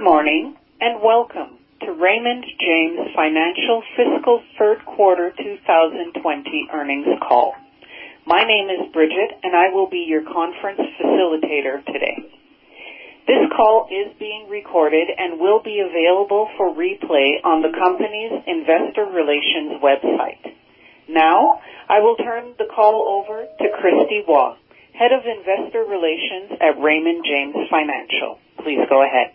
Good morning and welcome to Raymond James Financial Fiscal Third Quarter 2020 earnings call. My name is Bridget, and I will be your conference facilitator today. This call is being recorded and will be available for replay on the company's investor relations website. Now, I will turn the call over to Kristie Waugh, Head of Investor Relations at Raymond James Financial. Please go ahead.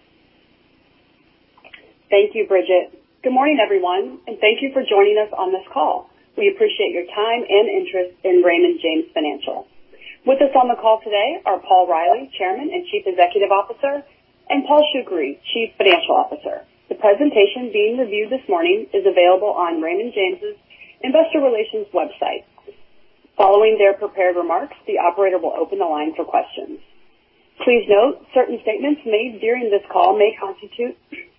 Thank you, Bridget. Good morning, everyone, and thank you for joining us on this call. We appreciate your time and interest in Raymond James Financial. With us on the call today are Paul Reilly, Chairman and Chief Executive Officer, and Paul Shoukry, Chief Financial Officer. The presentation being reviewed this morning is available on Raymond James's investor relations website. Following their prepared remarks, the operator will open the line for questions. Please note certain statements made during this call may constitute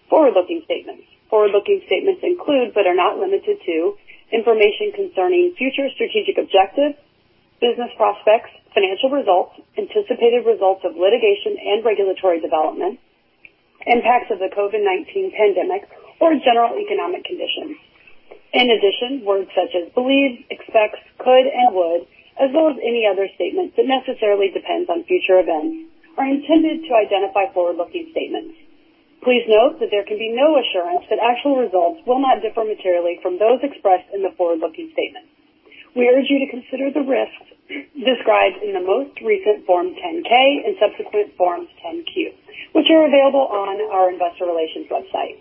forward-looking statements. Forward-looking statements include, but are not limited to, information concerning future strategic objectives, business prospects, financial results, anticipated results of litigation and regulatory development, impacts of the COVID-19 pandemic, or general economic conditions. In addition, words such as believe, expect, could, and would, as well as any other statement that necessarily depends on future events, are intended to identify forward-looking statements. Please note that there can be no assurance that actual results will not differ materially from those expressed in the forward-looking statement. We urge you to consider the risks described in the most recent Form 10-K and subsequent Form 10-Q, which are available on our investor relations website.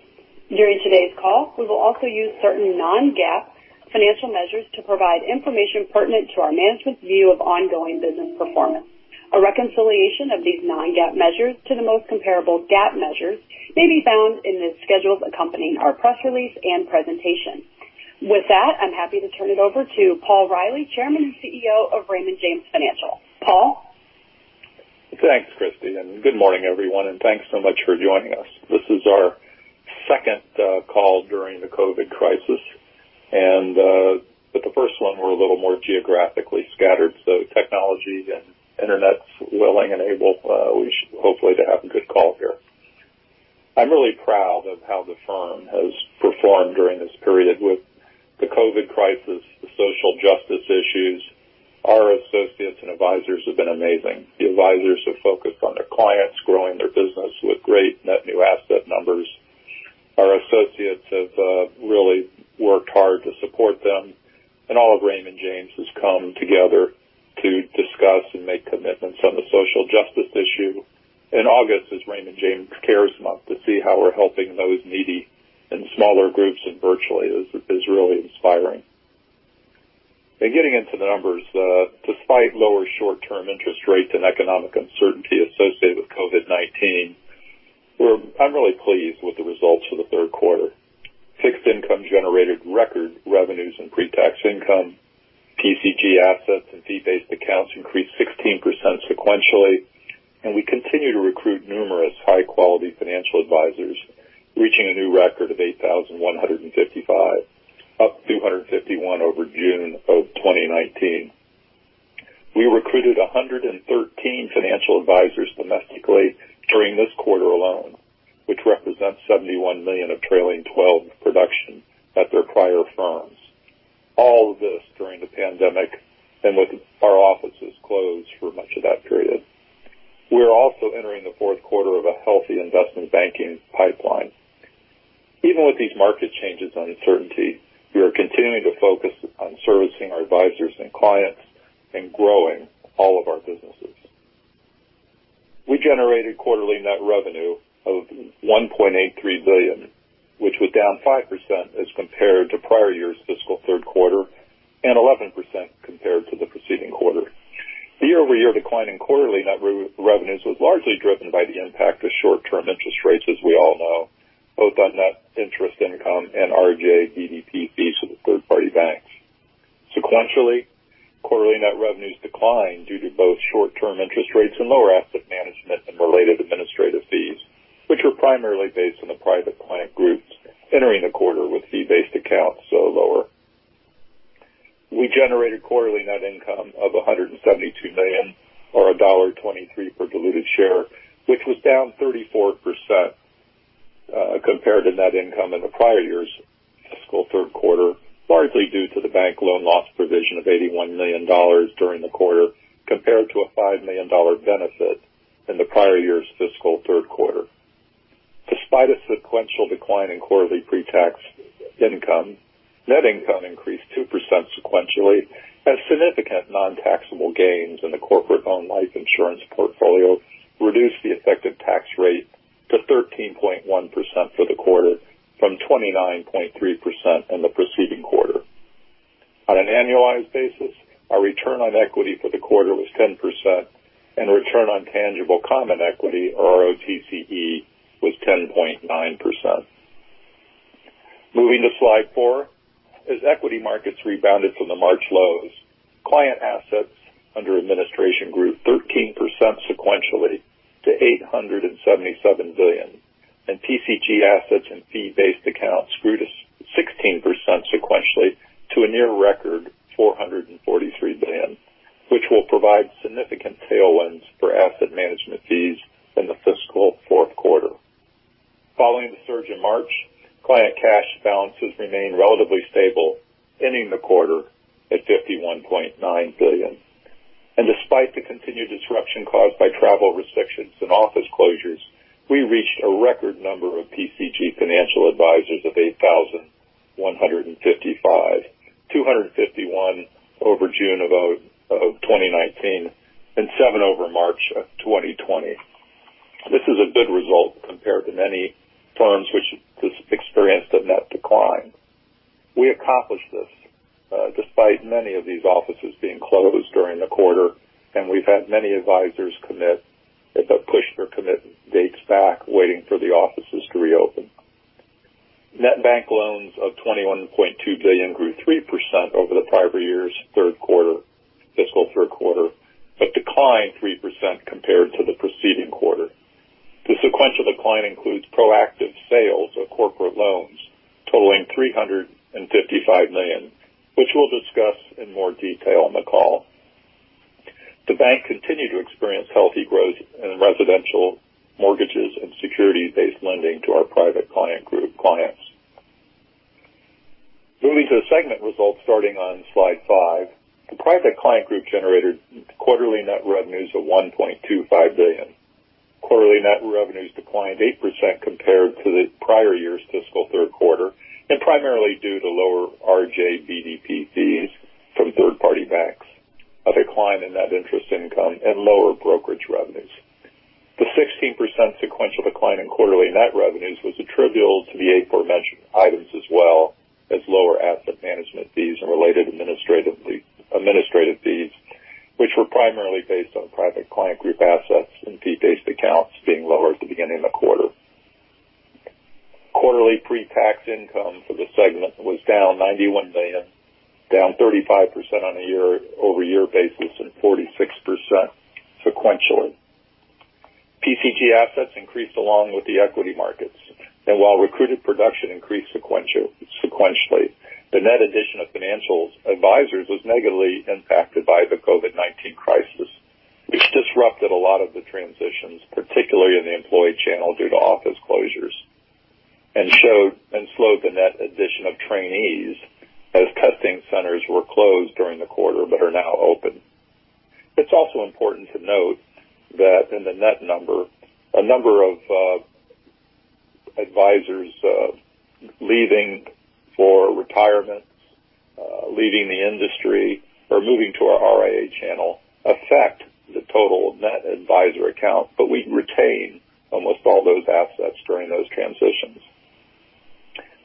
During today's call, we will also use certain non-GAAP financial measures to provide information pertinent to our management's view of ongoing business performance. A reconciliation of these non-GAAP measures to the most comparable GAAP measures may be found in the schedules accompanying our press release and presentation. With that, I'm happy to turn it over to Paul Reilly, Chairman and CEO of Raymond James Financial. Paul? Thanks, Kristie. Good morning, everyone, and thanks so much for joining us. This is our second call during the COVID crisis, and with the first one, we're a little more geographically scattered, so technology and internet's willing and able. We should hopefully have a good call here. I'm really proud of how the firm has performed during this period with the COVID crisis, the social justice issues. Our associates and advisors have been amazing. The advisors have focused on their clients, growing their business with great net new asset numbers. Our associates have really worked hard to support them, and all of Raymond James has come together to discuss and make commitments on the social justice issue. In August is Raymond James Cares Month. To see how we're helping those needy and smaller groups virtually is really inspiring. Getting into the numbers, despite lower short-term interest rates and economic uncertainty associated with COVID-19, I'm really pleased with the results for the third quarter. Fixed income generated record revenues and pre-tax income. PCG assets and fee-based accounts increased 16% sequentially, and we continue to recruit numerous high-quality financial advisors, reaching a new record of 8,155, up 251 over June of 2019. We recruited 113 financial advisors domestically during this quarter alone, which represents $71 million of trailing 12 production at their prior firms. All of this during the pandemic and with our offices closed for much of that period. We're also entering the fourth quarter of a healthy investment banking pipeline. Even with these market changes and uncertainty, we are continuing to focus on servicing our advisors and clients and growing all of our businesses. We generated quarterly net revenue of $1.83 billion, which was down 5% as compared to prior year's fiscal third quarter and 11% compared to the preceding quarter. The year-over-year decline in quarterly net revenues was largely driven by the impact of short-term interest rates, as we all know, both on net interest income and RJBDP fees of the third-party banks. Sequentially, quarterly net revenues declined due to both short-term interest rates and lower Asset Management and related administrative fees, which were primarily based on the Private Client Groups entering the quarter with fee-based accounts lower. We generated quarterly net income of $172 million or $1.23 per diluted share, which was down 34% compared to net income in the prior year's fiscal third quarter, largely due to the bank loan loss provision of $81 million during the quarter compared to a $5 million benefit in the prior year's fiscal third quarter. Despite a sequential decline in quarterly pre-tax income, net income increased 2% sequentially as significant non-taxable gains in the corporate-owned life insurance portfolio reduced the effective tax rate to 13.1% for the quarter from 29.3% in the preceding quarter. On an annualized basis, our return on equity for the quarter was 10%, and return on tangible common equity, or ROTCE, was 10.9%. Moving to slide four, as equity markets rebounded from the March lows, client assets under administration grew 13% sequentially to $877 billion, and PCG assets and fee-based accounts grew to 16% sequentially to a near record $443 billion, which will provide significant tailwinds for Asset Management fees in the fiscal fourth quarter. Following the surge in March, client cash balances remained relatively stable, ending the quarter at $51.9 billion. And despite the continued disruption caused by travel restrictions and office closures, we reached a record number of PCG financial advisors of 8,155, 251 over June of 2019, and 7 over March of 2020. This is a good result compared to many firms which experienced a net decline. We accomplished this despite many of these offices being closed during the quarter, and we've had many advisors commit that pushed their commitment dates back, waiting for the offices to reopen. Net bank loans of $21.2 billion grew 3% over the prior year's fiscal third quarter, but declined 3% compared to the preceding quarter. The sequential decline includes proactive sales of corporate loans totaling $355 million, which we'll discuss in more detail in the call. The bank continued to experience healthy growth in residential mortgages and security-based lending to our Private Client Group clients. Moving to the segment results starting on slide five, the Private Client Group generated quarterly net revenues of $1.25 billion. Quarterly net revenues declined 8% compared to the prior year's fiscal third quarter, and primarily due to lower RJBDP fees from third-party banks, a decline in net interest income, and lower brokerage revenues. The 16% sequential decline in quarterly net revenues was attributable to the aforementioned items as well as lower Asset Management fees and related administrative fees, which were primarily based on Private Client Group assets and fee-based accounts being lower at the beginning of the quarter. Quarterly pre-tax income for the segment was down $91 million, down 35% on a year-over-year basis and 46% sequentially. PCG assets increased along with the equity markets, and while recruited production increased sequentially, the net addition of financial advisors was negatively impacted by the COVID-19 crisis, which disrupted a lot of the transitions, particularly in the employee channel due to office closures, and slowed the net addition of trainees as testing centers were closed during the quarter but are now open. It's also important to note that in the net number, a number of advisors leaving for retirement, leaving the industry, or moving to our RIA channel affect the total net advisor account, but we retain almost all those assets during those transitions.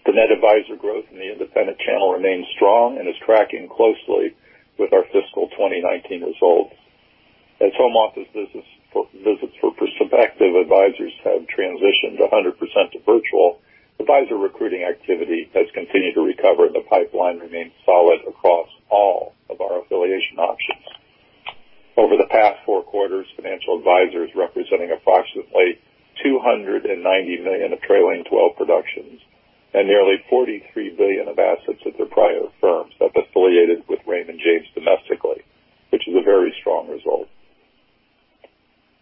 The net advisor growth in the independent channel remains strong and is tracking closely with our fiscal 2019 results. As home office visits for prospective advisors have transitioned to 100% to virtual, advisor recruiting activity has continued to recover, and the pipeline remains solid across all of our affiliation options. Over the past four quarters, financial advisors representing approximately $290 million of trailing 12 productions and nearly $43 billion of assets at their prior firms have affiliated with Raymond James domestically, which is a very strong result.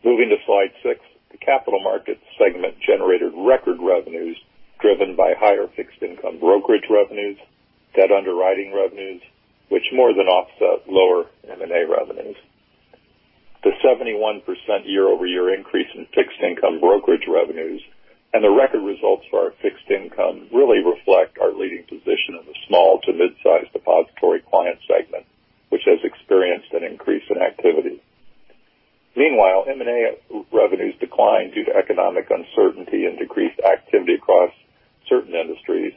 Moving to slide six, the Capital Markets segment generated record revenues driven by higher fixed income brokerage revenues, debt underwriting revenues, which more than offset lower M&A revenues. The 71% year-over-year increase in fixed income brokerage revenues and the record results for our fixed income really reflect our leading position in the small to mid-size depository client segment, which has experienced an increase in activity. Meanwhile, M&A revenues declined due to economic uncertainty and decreased activity across certain industries.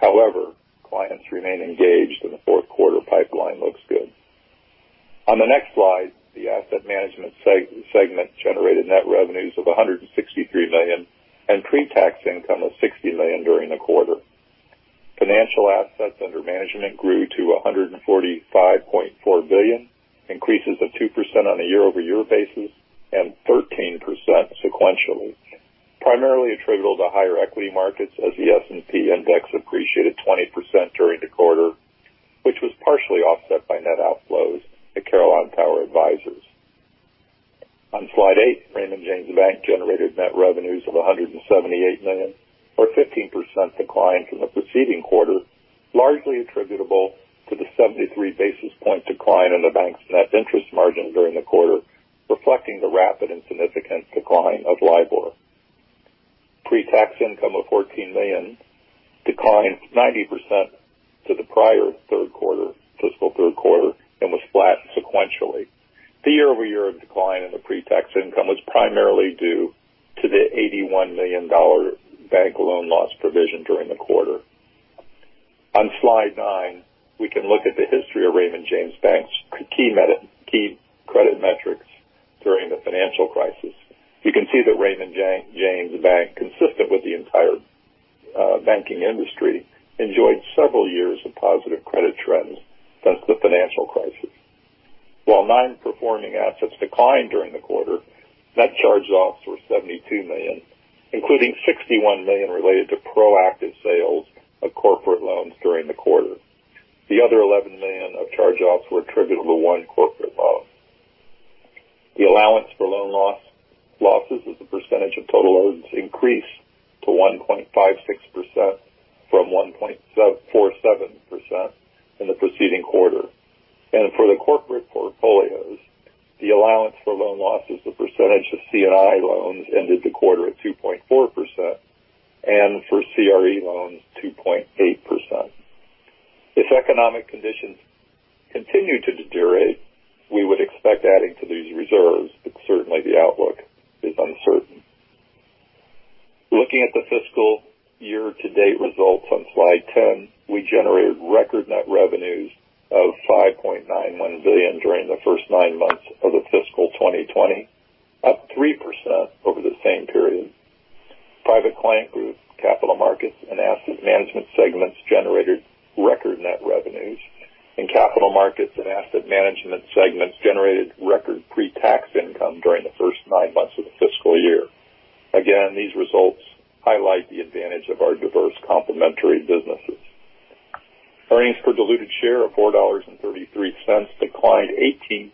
However, clients remain engaged, and the fourth quarter pipeline looks good. On the next slide, the Asset Management segment generated net revenues of $163 million and pre-tax income of $60 million during the quarter. Financial assets under management grew to $145.4 billion, increases of 2% on a year-over-year basis and 13% sequentially, primarily attributable to higher equity markets as the S&P Index appreciated 20% during the quarter, which was partially offset by net outflows to Carillon Tower Advisers. On slide eight, Raymond James Bank generated net revenues of $178 million, or 15% decline from the preceding quarter, largely attributable to the 73 basis points decline in the bank's net interest margin during the quarter, reflecting the rapid and significant decline of LIBOR. Pre-tax income of $14 million declined 90% to the prior third quarter, fiscal third quarter, and was flat sequentially. The year-over-year decline in the pre-tax income was primarily due to the $81 million bank loan loss provision during the quarter. On slide nine, we can look at the history of Raymond James Bank's key credit metrics during the financial crisis. You can see that Raymond James Bank, consistent with the entire banking industry, enjoyed several years of positive credit trends since the financial crisis. While non-performing assets declined during the quarter, net charge-offs were $72 million, including $61 million related to proactive sales of corporate loans during the quarter. The other $11 million of charge-offs were attributable to one corporate loan. The allowance for loan losses as a percentage of total loans increased to 1.56% from 1.47% in the preceding quarter. And for the corporate portfolios, the allowance for loan losses as a percentage of C&I loans ended the quarter at 2.4%, and for CRE loans, 2.8%. If economic conditions continue to deteriorate, we would expect adding to these reserves, but certainly the outlook is uncertain. Looking at the fiscal year-to-date results on slide 10, we generated record net revenues of $5.91 billion during the first nine months of the fiscal 2020, up 3% over the same period. Private Client Group, Capital Markets, and Asset Management segments generated record net revenues, and Capital Markets and Asset Management segments generated record pre-tax income during the first nine months of the fiscal year. Again, these results highlight the advantage of our diverse complementary businesses. Earnings per diluted share of $4.33 declined 18%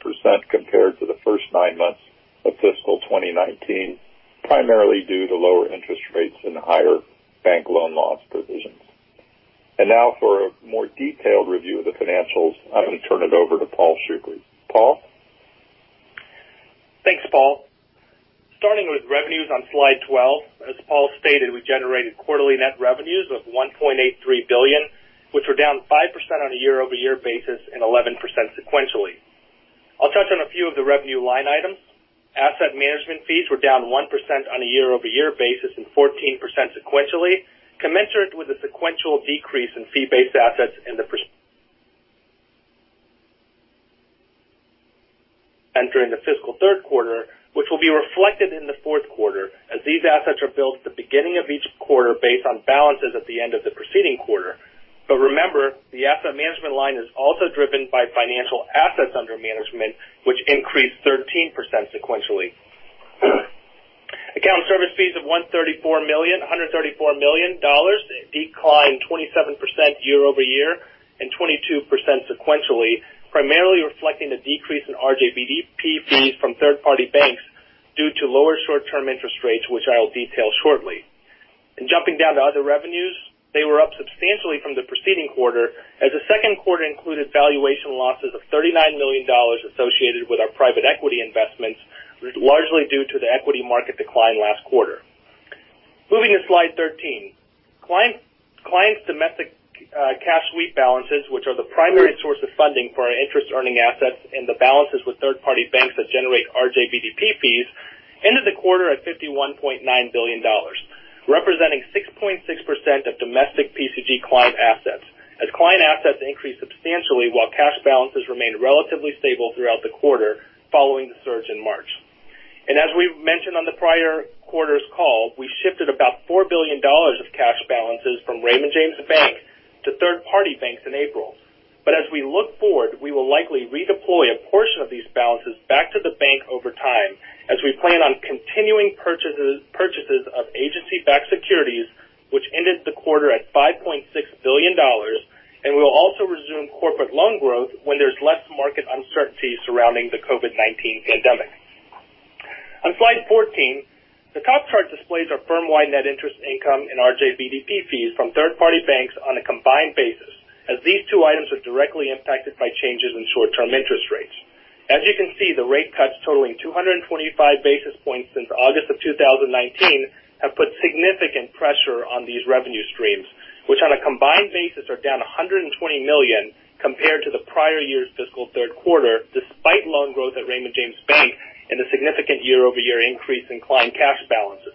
compared to the first nine months of fiscal 2019, primarily due to lower interest rates and higher bank loan loss provisions. And now for a more detailed review of the financials, I'm going to turn it over to Paul Shoukry. Paul? Thanks, Paul. Starting with revenues on slide 12, as Paul stated, we generated quarterly net revenues of $1.83 billion, which were down 5% on a year-over-year basis and 11% sequentially. I'll touch on a few of the revenue line items. Asset Management fees were down 1% on a year-over-year basis and 14% sequentially, commensurate with the sequential decrease in fee-based assets entering the fiscal third quarter, which will be reflected in the fourth quarter as these assets are billed at the beginning of each quarter based on balances at the end of the preceding quarter. But remember, the Asset Management line is also driven by financial assets under management, which increased 13% sequentially. Account service fees of $134 million declined 27% year-over-year and 22% sequentially, primarily reflecting a decrease in RJBDP fees from third-party banks due to lower short-term interest rates, which I will detail shortly. And jumping down to other revenues, they were up substantially from the preceding quarter as the second quarter included valuation losses of $39 million associated with our private equity investments, largely due to the equity market decline last quarter. Moving to slide 13, clients' domestic cash sweep balances, which are the primary source of funding for our interest-earning assets and the balances with third-party banks that generate RJBDP fees, ended the quarter at $51.9 billion, representing 6.6% of domestic PCG client assets, as client assets increased substantially while cash balances remained relatively stable throughout the quarter following the surge in March. And as we mentioned on the prior quarter's call, we shifted about $4 billion of cash balances from Raymond James Bank to third-party banks in April. But as we look forward, we will likely redeploy a portion of these balances back to the bank over time as we plan on continuing purchases of agency-backed securities, which ended the quarter at $5.6 billion, and we will also resume corporate loan growth when there's less market uncertainty surrounding the COVID-19 pandemic. On slide 14, the top chart displays our firm-wide net interest income and RJBDP fees from third-party banks on a combined basis, as these two items are directly impacted by changes in short-term interest rates. As you can see, the rate cuts totaling 225 basis points since August of 2019 have put significant pressure on these revenue streams, which on a combined basis are down $120 million compared to the prior year's fiscal third quarter, despite loan growth at Raymond James Bank and the significant year-over-year increase in client cash balances.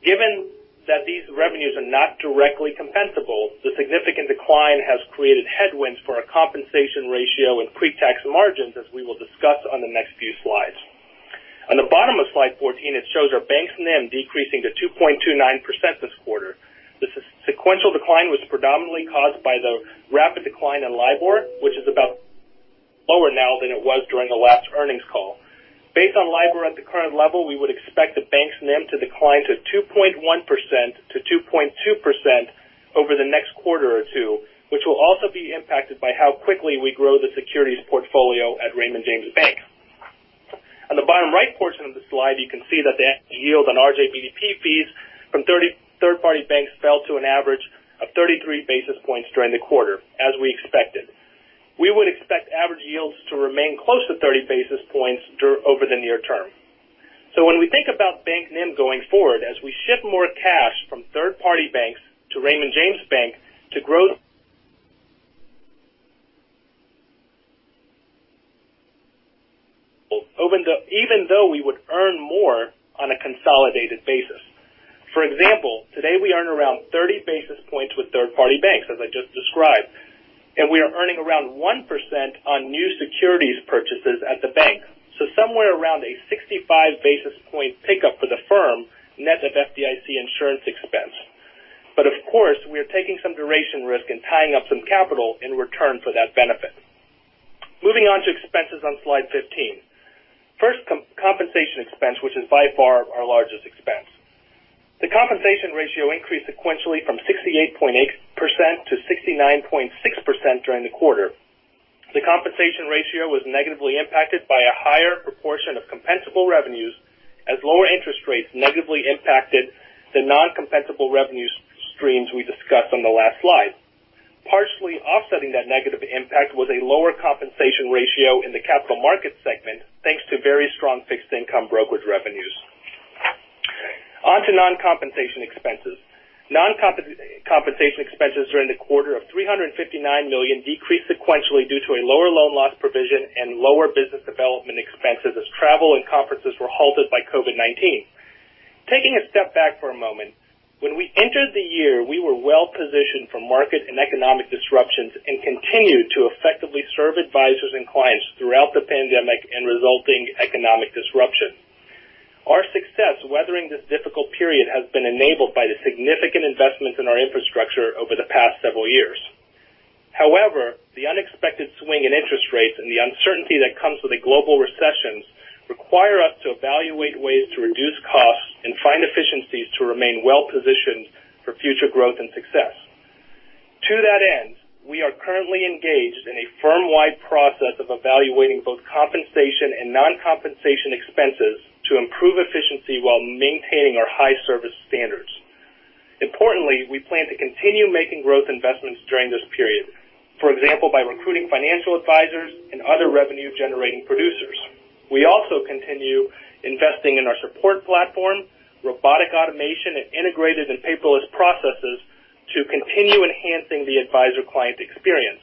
Given that these revenues are not directly compensable, the significant decline has created headwinds for our compensation ratio and pre-tax margins, as we will discuss on the next few slides. On the bottom of slide 14, it shows our bank's NIM decreasing to 2.29% this quarter. This sequential decline was predominantly caused by the rapid decline in LIBOR, which is about lower now than it was during the last earnings call. Based on LIBOR at the current level, we would expect the bank's NIM to decline to 2.1%-2.2% over the next quarter or two, which will also be impacted by how quickly we grow the securities portfolio at Raymond James Bank. On the bottom right portion of the slide, you can see that the yield on RJBDP fees from third-party banks fell to an average of 33 basis points during the quarter, as we expected. We would expect average yields to remain close to 30 basis points over the near term. So when we think about bank NIM going forward, as we shift more cash from third-party banks to Raymond James Bank to grow, even though we would earn more on a consolidated basis. For example, today we earn around 30 basis points with third-party banks, as I just described, and we are earning around 1% on new securities purchases at the bank. So somewhere around a 65 basis point pickup for the firm net of FDIC insurance expense. But of course, we are taking some duration risk and tying up some capital in return for that benefit. Moving on to expenses on slide 15. First, compensation expense, which is by far our largest expense. The compensation ratio increased sequentially from 68.8% to 69.6% during the quarter. The compensation ratio was negatively impacted by a higher proportion of compensable revenues as lower interest rates negatively impacted the non-compensable revenue streams we discussed on the last slide. Partially offsetting that negative impact was a lower compensation ratio in the Capital Markets segment, thanks to very strong fixed income brokerage revenues. On to non-compensation expenses. Non-compensation expenses during the quarter of $359 million decreased sequentially due to a lower loan loss provision and lower business development expenses as travel and conferences were halted by COVID-19. Taking a step back for a moment, when we entered the year, we were well-positioned for market and economic disruptions and continued to effectively serve advisors and clients throughout the pandemic and resulting economic disruption. Our success weathering this difficult period has been enabled by the significant investments in our infrastructure over the past several years. However, the unexpected swing in interest rates and the uncertainty that comes with a global recession require us to evaluate ways to reduce costs and find efficiencies to remain well-positioned for future growth and success. To that end, we are currently engaged in a firm-wide process of evaluating both compensation and non-compensation expenses to improve efficiency while maintaining our high service standards. Importantly, we plan to continue making growth investments during this period, for example, by recruiting financial advisors and other revenue-generating producers. We also continue investing in our support platform, robotic automation, and integrated and paperless processes to continue enhancing the advisor-client experience.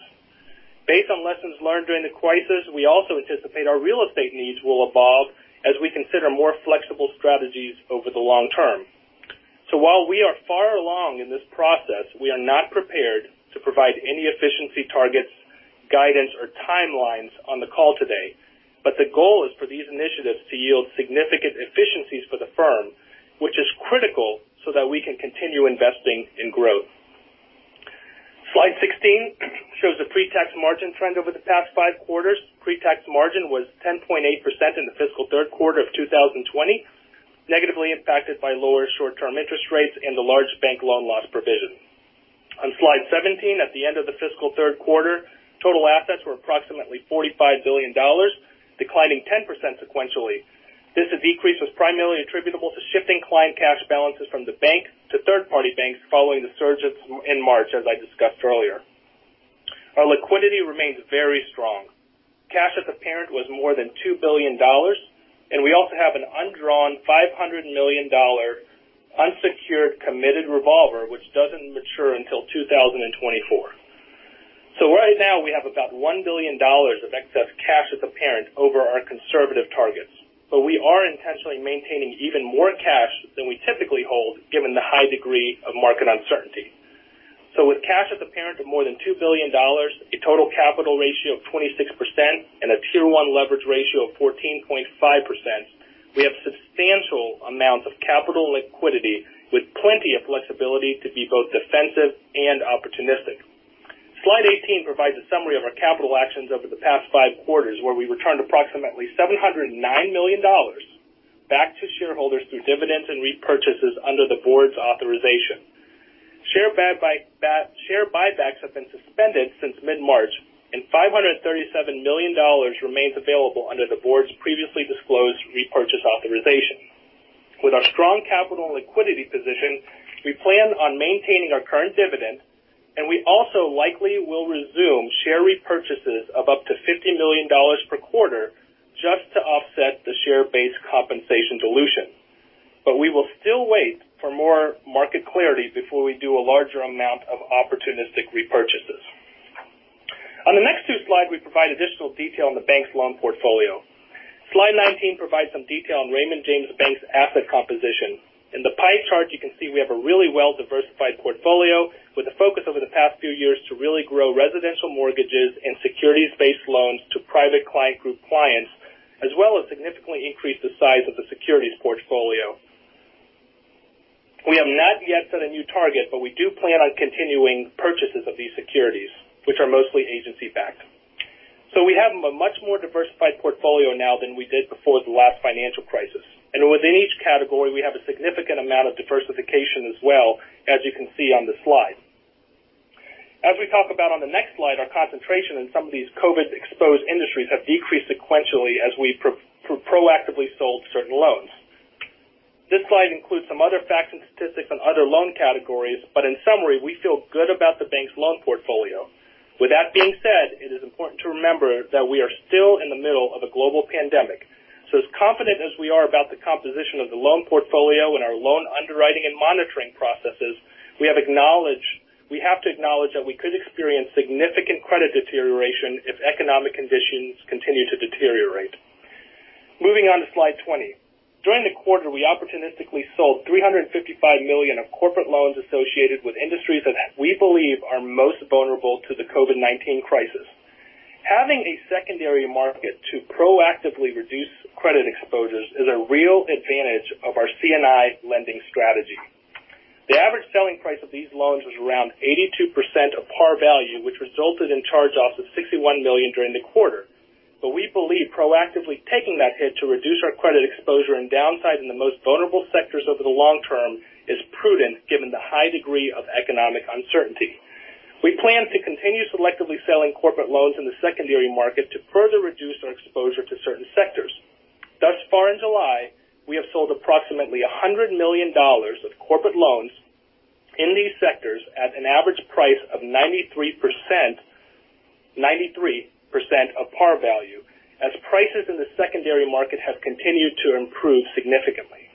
Based on lessons learned during the crisis, we also anticipate our real estate needs will evolve as we consider more flexible strategies over the long term. While we are far along in this process, we are not prepared to provide any efficiency targets, guidance, or timelines on the call today, but the goal is for these initiatives to yield significant efficiencies for the firm, which is critical so that we can continue investing in growth. Slide 16 shows the pre-tax margin trend over the past five quarters. Pre-tax margin was 10.8% in the fiscal third quarter of 2020, negatively impacted by lower short-term interest rates and the large bank loan loss provision. On slide 17, at the end of the fiscal third quarter, total assets were approximately $45 billion, declining 10% sequentially. This decrease was primarily attributable to shifting client cash balances from the bank to third-party banks following the surge in March, as I discussed earlier. Our liquidity remains very strong. Cash at the parent was more than $2 billion, and we also have an undrawn $500 million unsecured committed revolver, which doesn't mature until 2024. So right now, we have about $1 billion of excess cash at the parent over our conservative targets, but we are intentionally maintaining even more cash than we typically hold, given the high degree of market uncertainty. So with cash at the parent of more than $2 billion, a total capital ratio of 26%, and a Tier 1 leverage ratio of 14.5%, we have substantial amounts of capital liquidity with plenty of flexibility to be both defensive and opportunistic. Slide 18 provides a summary of our capital actions over the past five quarters, where we returned approximately $709 million back to shareholders through dividends and repurchases under the board's authorization. Share buybacks have been suspended since mid-March, and $537 million remains available under the board's previously disclosed repurchase authorization. With our strong capital and liquidity position, we plan on maintaining our current dividend, and we also likely will resume share repurchases of up to $50 million per quarter just to offset the share-based compensation dilution. But we will still wait for more market clarity before we do a larger amount of opportunistic repurchases. On the next two slides, we provide additional detail on the bank's loan portfolio. Slide 19 provides some detail on Raymond James Bank's asset composition. In the pie chart, you can see we have a really well-diversified portfolio with a focus over the past few years to really grow residential mortgages and securities-based loans to Private Client Group clients, as well as significantly increase the size of the securities portfolio. We have not yet set a new target, but we do plan on continuing purchases of these securities, which are mostly agency-backed. So we have a much more diversified portfolio now than we did before the last financial crisis. And within each category, we have a significant amount of diversification as well, as you can see on the slide. As we talk about on the next slide, our concentration in some of these COVID-exposed industries has decreased sequentially as we proactively sold certain loans. This slide includes some other facts and statistics on other loan categories, but in summary, we feel good about the bank's loan portfolio. With that being said, it is important to remember that we are still in the middle of a global pandemic. So as confident as we are about the composition of the loan portfolio and our loan underwriting and monitoring processes, we have to acknowledge that we could experience significant credit deterioration if economic conditions continue to deteriorate. Moving on to slide 20. During the quarter, we opportunistically sold $355 million of corporate loans associated with industries that we believe are most vulnerable to the COVID-19 crisis. Having a secondary market to proactively reduce credit exposures is a real advantage of our C&I lending strategy. The average selling price of these loans was around 82% of par value, which resulted in charge-offs of $61 million during the quarter. But we believe proactively taking that hit to reduce our credit exposure and downside in the most vulnerable sectors over the long term is prudent given the high degree of economic uncertainty. We plan to continue selectively selling corporate loans in the secondary market to further reduce our exposure to certain sectors. Thus far in July, we have sold approximately $100 million of corporate loans in these sectors at an average price of 93% of par value as prices in the secondary market have continued to improve significantly.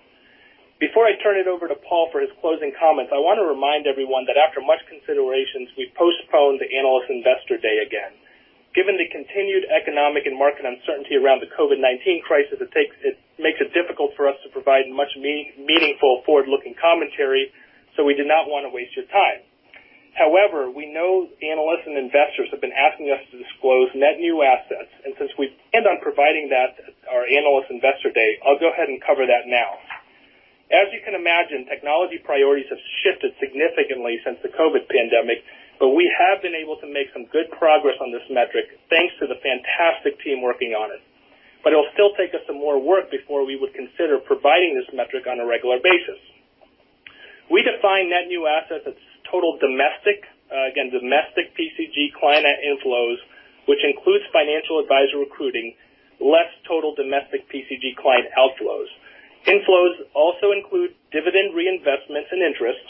Before I turn it over to Paul for his closing comments, I want to remind everyone that after much consideration, we postponed the analyst investor day again. Given the continued economic and market uncertainty around the COVID-19 crisis, it makes it difficult for us to provide much meaningful forward-looking commentary, so we did not want to waste your time. However, we know analysts and investors have been asking us to disclose net new assets, and since we planned on providing that at our analyst investor day, I'll go ahead and cover that now. As you can imagine, technology priorities have shifted significantly since the COVID pandemic, but we have been able to make some good progress on this metric thanks to the fantastic team working on it. But it'll still take us some more work before we would consider providing this metric on a regular basis. We define net new assets as total domestic, again, domestic PCG client inflows, which includes financial advisor recruiting, less total domestic PCG client outflows. Inflows also include dividend reinvestments and interest,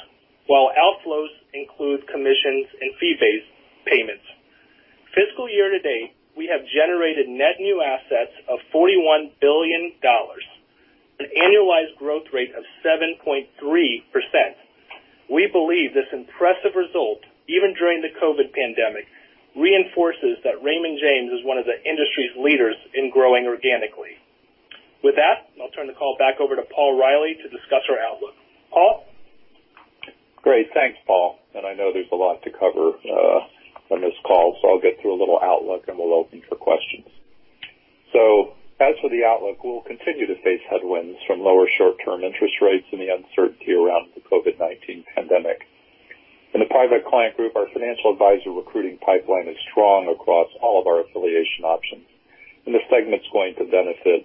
while outflows include commissions and fee-based payments. Fiscal year to date, we have generated net new assets of $41 billion and annualized growth rate of 7.3%. We believe this impressive result, even during the COVID pandemic, reinforces that Raymond James is one of the industry's leaders in growing organically. With that, I'll turn the call back over to Paul Reilly to discuss our outlook. Paul? Great. Thanks, Paul. And I know there's a lot to cover on this call, so I'll get through a little outlook and we'll open for questions. So as for the outlook, we'll continue to face headwinds from lower short-term interest rates and the uncertainty around the COVID-19 pandemic. In the Private Client Group, our financial advisor recruiting pipeline is strong across all of our affiliation options. And the segment's going to benefit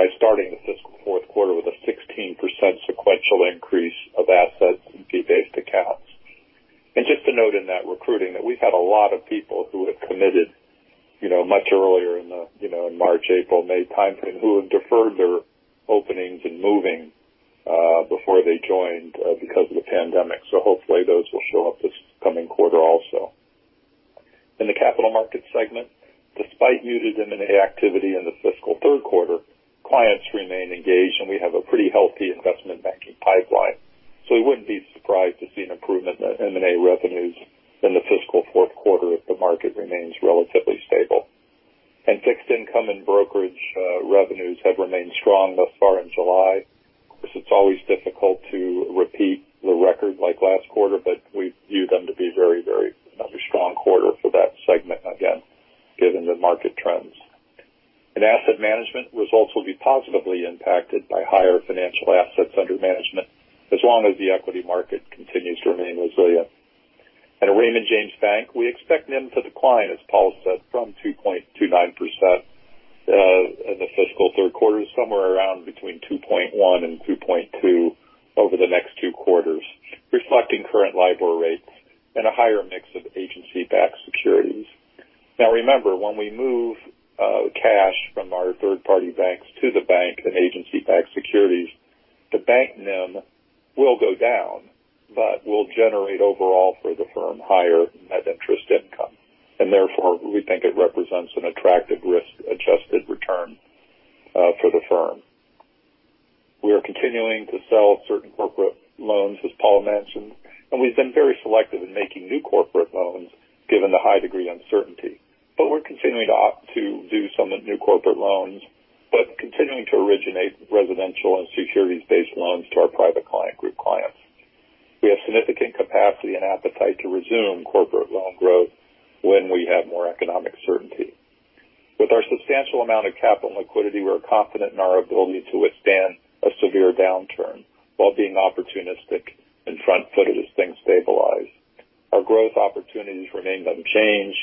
by starting the fiscal fourth quarter with a 16% sequential increase of assets and fee-based accounts. And just to note in that recruiting that we've had a lot of people who have committed much earlier in the March, April, May timeframe who have deferred their openings and moving before they joined because of the pandemic. So hopefully those will show up this coming quarter also. In the Capital Markets segment, despite muted M&A activity in the fiscal third quarter, clients remain engaged and we have a pretty healthy investment banking pipeline. So we wouldn't be surprised to see an improvement in M&A revenues in the fiscal fourth quarter if the market remains relatively stable. And fixed income and brokerage revenues have remained strong thus far in July. Of course, it's always difficult to repeat the record like last quarter, but we view them to be a very, very strong quarter for that segment again, given the market trends. In Asset Management, results will be positively impacted by higher financial assets under management as long as the equity market continues to remain resilient. And at Raymond James Bank, we expect them to decline, as Paul said, from 2.29% in the fiscal third quarter to somewhere around between 2.1% and 2.2% over the next two quarters, reflecting current LIBOR rates and a higher mix of agency-backed securities. Now, remember, when we move cash from our third-party banks to the bank and agency-backed securities, the bank NIM will go down, but will generate overall for the firm higher net interest income. And therefore, we think it represents an attractive risk-adjusted return for the firm. We are continuing to sell certain corporate loans, as Paul mentioned, and we've been very selective in making new corporate loans given the high degree of uncertainty. But we're continuing to do some new corporate loans, but continuing to originate residential and securities-based loans to our Private Client Group clients. We have significant capacity and appetite to resume corporate loan growth when we have more economic certainty. With our substantial amount of capital and liquidity, we're confident in our ability to withstand a severe downturn while being opportunistic and front-footed as things stabilize. Our growth opportunities remain unchanged,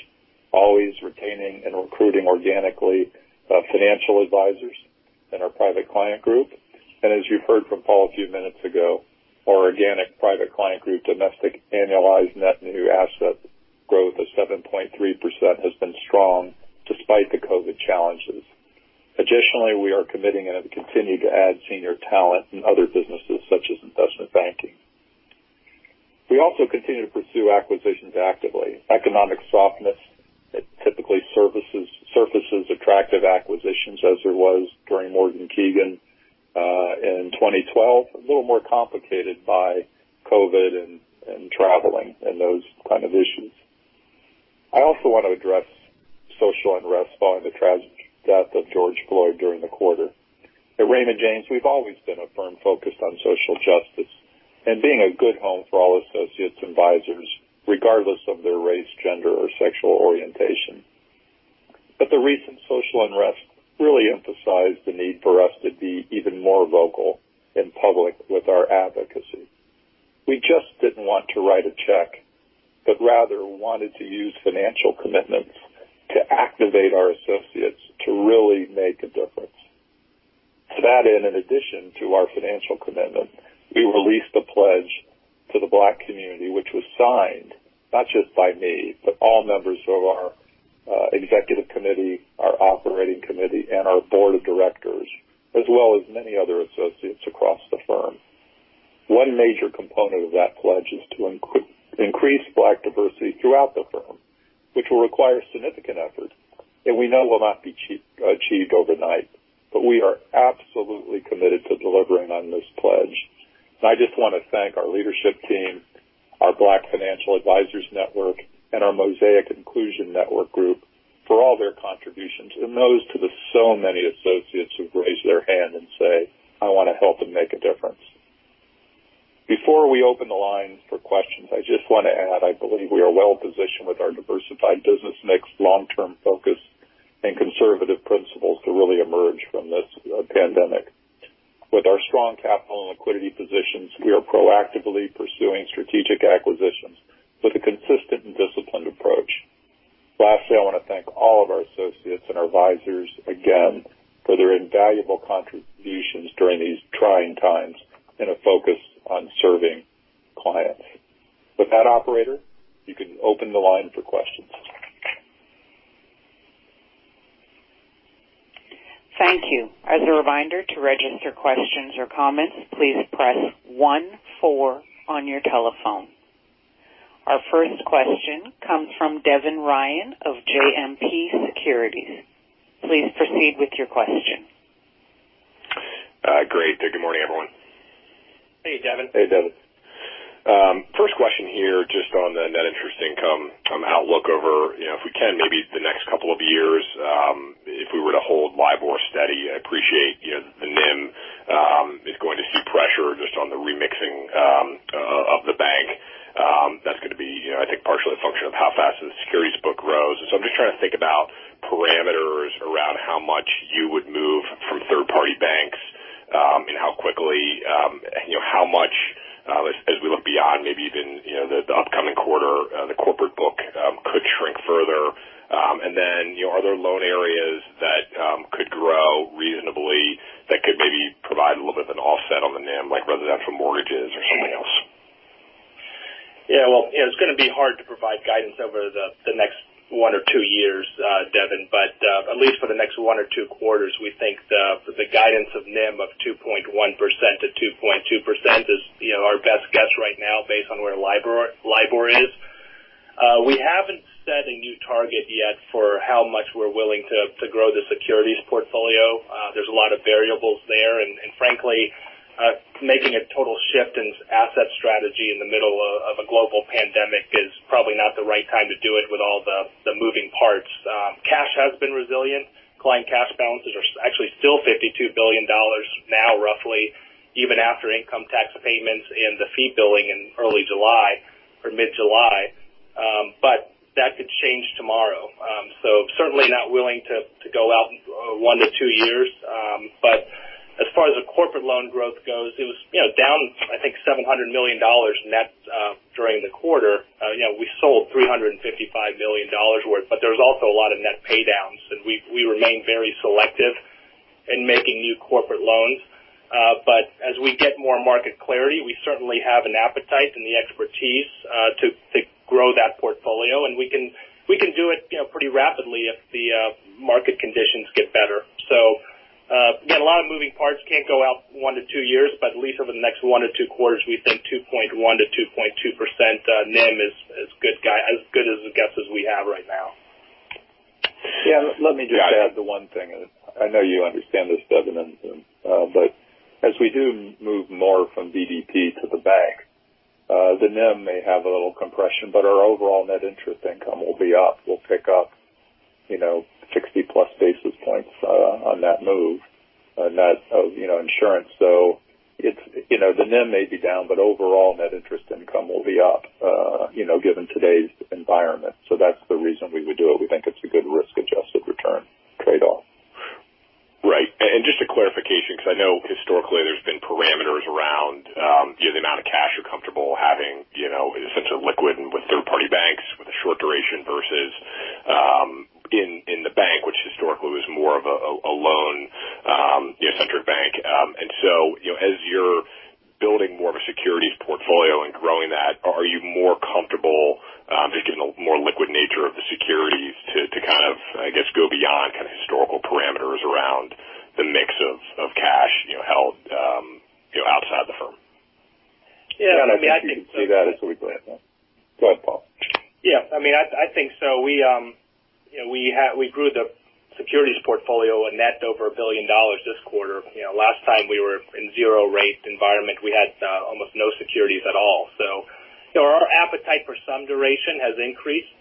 always retaining and recruiting organically financial advisors in our Private Client Group. And as you've heard from Paul a few minutes ago, our organic Private Client Group, domestic annualized net new asset growth of 7.3% has been strong despite the COVID challenges. Additionally, we are committing and have continued to add senior talent in other businesses such as investment banking. We also continue to pursue acquisitions actively. Economic softness typically surfaces attractive acquisitions as there was during Morgan Keegan in 2012, a little more complicated by COVID and traveling and those kind of issues. I also want to address social unrest following the tragic death of George Floyd during the quarter. At Raymond James, we've always been a firm focused on social justice and being a good home for all associates and advisors, regardless of their race, gender, or sexual orientation. But the recent social unrest really emphasized the need for us to be even more vocal in public with our advocacy. We just didn't want to write a check, but rather wanted to use financial commitments to activate our associates to really make a difference. To that end, in addition to our financial commitment, we released a pledge to the Black community, which was signed not just by me, but all members of our executive committee, our operating committee, and our board of directors, as well as many other associates across the firm. One major component of that pledge is to increase Black diversity throughout the firm, which will require significant effort and we know will not be achieved overnight, but we are absolutely committed to delivering on this pledge, and I just want to thank our leadership team, our Black Financial Advisors Network, and our Mosaic Inclusion Network group for all their contributions, and thanks to the so many associates who've raised their hand and said, "I want to help and make a difference." Before we open the lines for questions, I just want to add, I believe we are well-positioned with our diversified business mix, long-term focus, and conservative principles to really emerge from this pandemic. With our strong capital and liquidity positions, we are proactively pursuing strategic acquisitions with a consistent and disciplined approach. Lastly, I want to thank all of our associates and our advisors again for their invaluable contributions during these trying times and a focus on serving clients. With that, operator, you can open the line for questions. Thank you. As a reminder, to register questions or comments, please press 1-4 on your telephone. Our first question comes from Devin Ryan of JMP Securities. Please proceed with your question. Great. Good morning, everyone. Hey, Devin. Hey, Devin. First question here, just on the net interest income outlook over, if we can, maybe the next couple of years, if we were to hold LIBOR steady. I appreciate the NIM is going to see pressure just on the remixing of the bank. That's going to be, I think, partially a function of how fast the securities book grows. And so I'm just trying to think about parameters around how much you would move from third-party banks and how quickly, how much, as we look beyond maybe even the upcoming quarter, the corporate book could shrink further. And then are there loan areas that could grow reasonably that could maybe provide a little bit of an offset on the NIM, like residential mortgages or something else? Yeah. Well, it's going to be hard to provide guidance over the next one or two years, Devin, but at least for the next one or two quarters, we think the guidance of NIM of 2.1% to 2.2% is our best guess right now based on where LIBOR is. We haven't set a new target yet for how much we're willing to grow the securities portfolio. There's a lot of variables there. And frankly, making a total shift in asset strategy in the middle of a global pandemic is probably not the right time to do it with all the moving parts. Cash has been resilient. Client cash balances are actually still $52 billion now, roughly, even after income tax payments and the fee billing in early July or mid-July. But that could change tomorrow. So certainly not willing to go out one to two years. But as far as the corporate loan growth goes, it was down, I think, $700 million net during the quarter. We sold $355 million worth, but there's also a lot of net paydowns. And we remain very selective in making new corporate loans. But as we get more market clarity, we certainly have an appetite and the expertise to grow that portfolio. And we can do it pretty rapidly if the market conditions get better. So again, a lot of moving parts can't go out one to two years, but at least over the next one or two quarters, we think 2.1%-2.2% NIM is as good as the guesses we have right now. Yeah. Let me just add the one thing. I know you understand this, Devin, but as we do move more from BDP to the bank, the NIM may have a little compression, but our overall net interest income will be up. We'll pick up 60-plus basis points on that move and that insurance. So the NIM may be down, but overall net interest income will be up given today's environment. So that's the reason we would do it. We think it's a good risk-adjusted return trade-off. Right. And just a clarification, because I know historically there's been parameters around the amount of cash you're comfortable having essentially liquid with third-party banks with a short duration versus in the bank, which historically was more of a loan-centric bank. And so as you're building more of a securities portfolio and growing that, are you more comfortable just given the more liquid nature of the securities to kind of, I guess, go beyond kind of historical parameters around the mix of cash held outside the firm? Yeah. I mean, I think. I can see that as we go. Yeah. Go ahead, Paul. Yeah. I mean, I think so. We grew the securities portfolio a net over $1 billion this quarter. Last time we were in zero-rate environment, we had almost no securities at all. So our appetite for some duration has increased,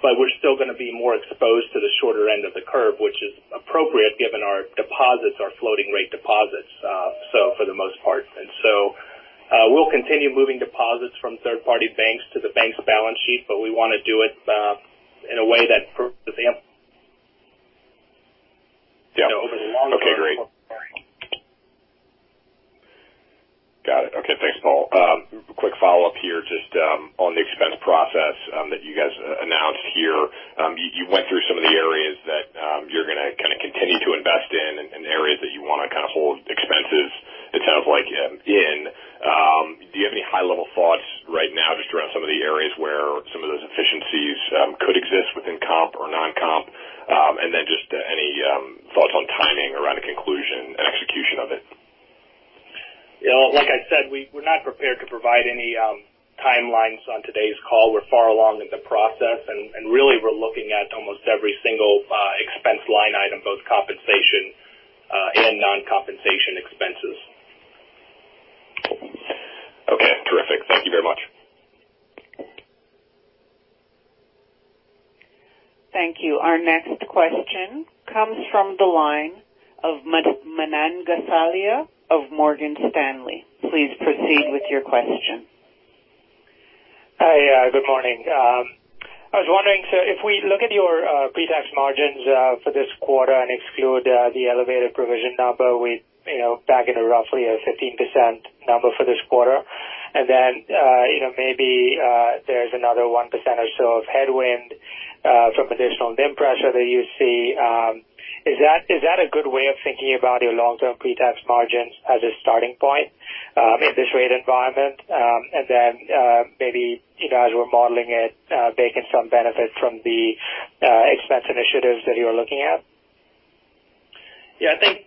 but we're still going to be more exposed to the shorter end of the curve, which is appropriate given our deposits, our floating-rate deposits, so for the most part. And so we'll continue moving deposits from third-party banks to the bank's balance sheet, but we want to do it in a way that. Yeah. Okay. Great. Over the long term. Got it. Okay. Thanks, Paul. Quick follow-up here just on the expense process that you guys announced here. You went through some of the areas that you're going to kind of continue to invest in and areas that you want to kind of hold expenses, it sounds like, in. Do you have any high-level thoughts right now just around some of the areas where some of those efficiencies could exist within comp or non-comp? And then just any thoughts on timing around the conclusion and execution of it? Like I said, we're not prepared to provide any timelines on today's call. We're far along in the process. And really, we're looking at almost every single expense line item, both compensation and non-compensation expenses. Okay. Terrific. Thank you very much. Thank you. Our next question comes from the line of Manan Gosalia of Morgan Stanley. Please proceed with your question. Hi. Good morning. I was wondering, so if we look at your pre-tax margins for this quarter and exclude the elevated provision number, we're back at a roughly 15% number for this quarter. And then maybe there's another 1% or so of headwind from additional NIM pressure that you see. Is that a good way of thinking about your long-term pre-tax margins as a starting point in this rate environment? And then maybe as we're modeling it, baking some benefit from the expense initiatives that you're looking at? Yeah. I think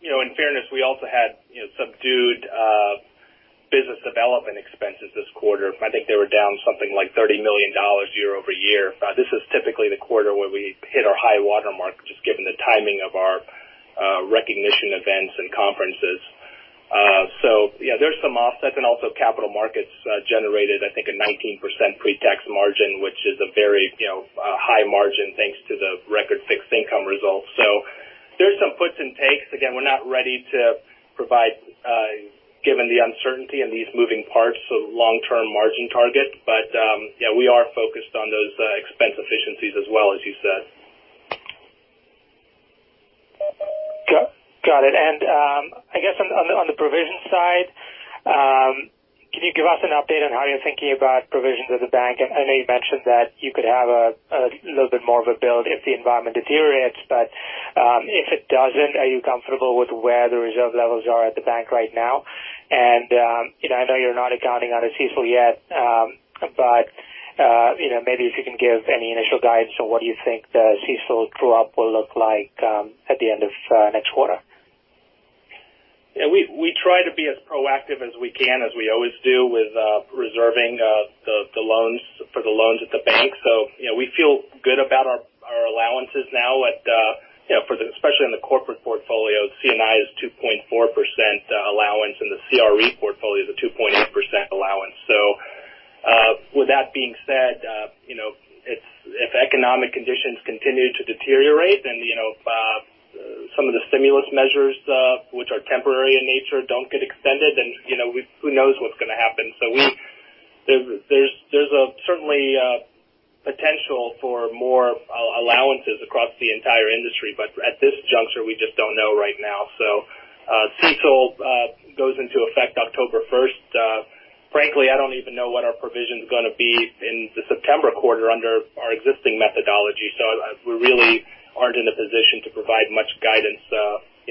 in fairness, we also had subdued business development expenses this quarter. I think they were down something like $30 million year over year. This is typically the quarter where we hit our high watermark just given the timing of our recognition events and conferences. So yeah, there's some offsets. And also capital markets generated, I think, a 19% pre-tax margin, which is a very high margin thanks to the record-fixed income results. So there's some puts and takes. Again, we're not ready to provide, given the uncertainty and these moving parts, a long-term margin target. But yeah, we are focused on those expense efficiencies as well, as you said. Got it and I guess on the provision side, can you give us an update on how you're thinking about provisions at the bank? I know you mentioned that you could have a little bit more of a build if the environment deteriorates, but if it doesn't, are you comfortable with where the reserve levels are at the bank right now, and I know you're not accounting out of CECL yet, but maybe if you can give any initial guidance on what you think the CECL draw-up will look like at the end of next quarter. Yeah. We try to be as proactive as we can, as we always do, with reserving the loans for the loans at the bank. So we feel good about our allowances now, especially in the corporate portfolio. C&I is 2.4% allowance, and the CRE portfolio is a 2.8% allowance. So with that being said, if economic conditions continue to deteriorate and some of the stimulus measures, which are temporary in nature, don't get extended, then who knows what's going to happen? So there's certainly potential for more allowances across the entire industry, but at this juncture, we just don't know right now. So CECL goes into effect October 1st. Frankly, I don't even know what our provision's going to be in the September quarter under our existing methodology. So we really aren't in a position to provide much guidance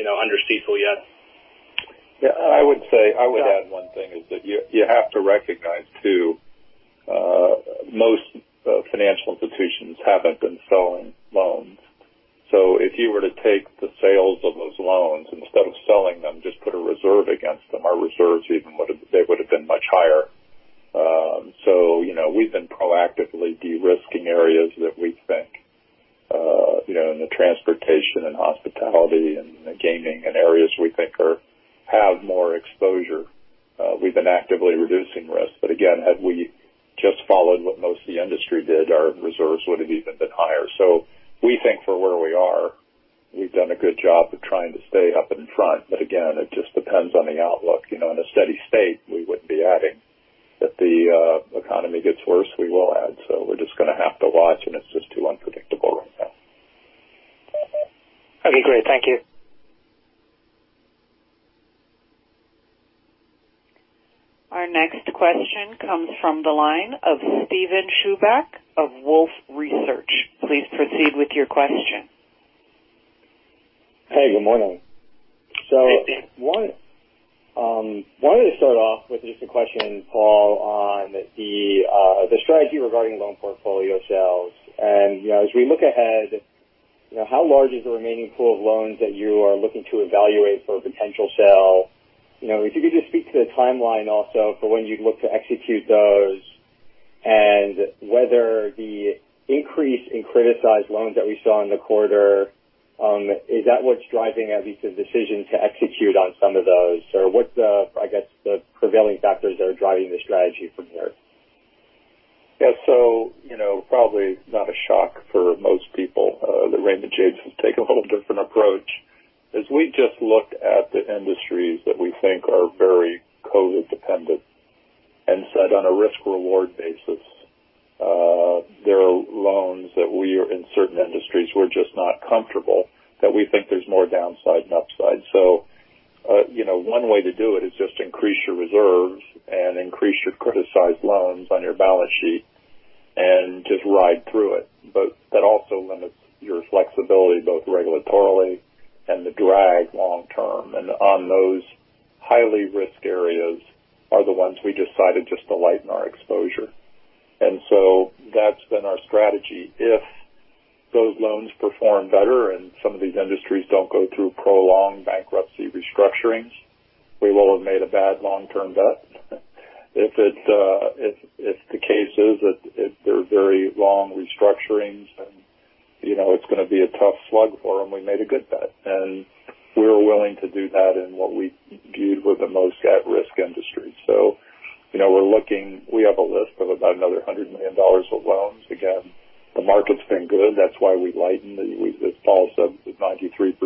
under CECL yet. Yeah. I would say I would add one thing is that you have to recognize, too, most financial institutions haven't been selling loans. So if you were to take the sales of those loans instead of selling them, just put a reserve against them, our reserves even would have been much higher. So we've been proactively de-risking areas that we think, in the transportation and hospitality and the gaming and areas we think have more exposure. We've been actively reducing risk. But again, had we just followed what most of the industry did, our reserves would have even been higher. So we think for where we are, we've done a good job of trying to stay up in front. But again, it just depends on the outlook. In a steady state, we wouldn't be adding. If the economy gets worse, we will add. We're just going to have to watch, and it's just too unpredictable right now. Okay. Great. Thank you. Our next question comes from the line of Steven Chubak of Wolfe Research. Please proceed with your question. Hey. Good morning. So why don't we start off with just a question, Paul, on the strategy regarding loan portfolio sales. And as we look ahead, how large is the remaining pool of loans that you are looking to evaluate for a potential sale? If you could just speak to the timeline also for when you'd look to execute those and whether the increase in criticized loans that we saw in the quarter, is that what's driving at least the decision to execute on some of those? Or what's the, I guess, the prevailing factors that are driving the strategy from here? Yeah. So probably not a shock for most people that Raymond James has taken a little different approach. As we just looked at the industries that we think are very COVID-dependent and said on a risk-reward basis, there are loans that we are in certain industries we're just not comfortable that we think there's more downside than upside, so one way to do it is just increase your reserves and increase your criticized loans on your balance sheet and just ride through it, but that also limits your flexibility, both regulatorily and the long-term drag, and on those high-risk areas are the ones we decided just to lighten our exposure, and so that's been our strategy. If those loans perform better and some of these industries don't go through prolonged bankruptcy restructurings, we will have made a bad long-term bet. If the case is that they're very long restructurings and it's going to be a tough slog for them, we made a good bet. And we're willing to do that in what we viewed were the most at-risk industries. So we're looking. We have a list of about another $100 million of loans. Again, the market's been good. That's why we lightened the Paul said with 93%.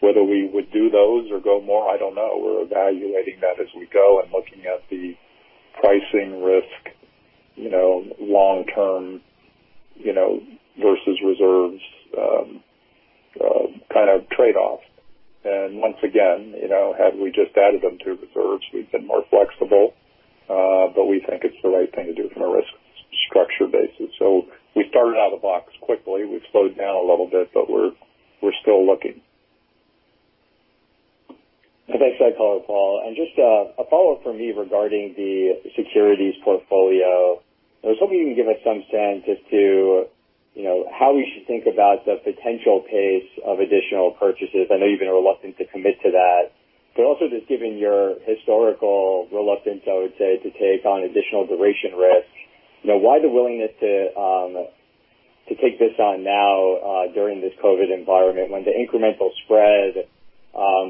Whether we would do those or go more, I don't know. We're evaluating that as we go and looking at the pricing risk long-term versus reserves kind of trade-off. And once again, had we just added them to reserves, we've been more flexible. But we think it's the right thing to do from a risk structure basis. So we started out of the box quickly. We've slowed down a little bit, but we're still looking. As I said, Paul, and just a follow-up from me regarding the securities portfolio. I was hoping you can give us some sense as to how we should think about the potential pace of additional purchases. I know you've been reluctant to commit to that. But also just given your historical reluctance, I would say, to take on additional duration risk, why the willingness to take this on now during this COVID environment when the incremental spread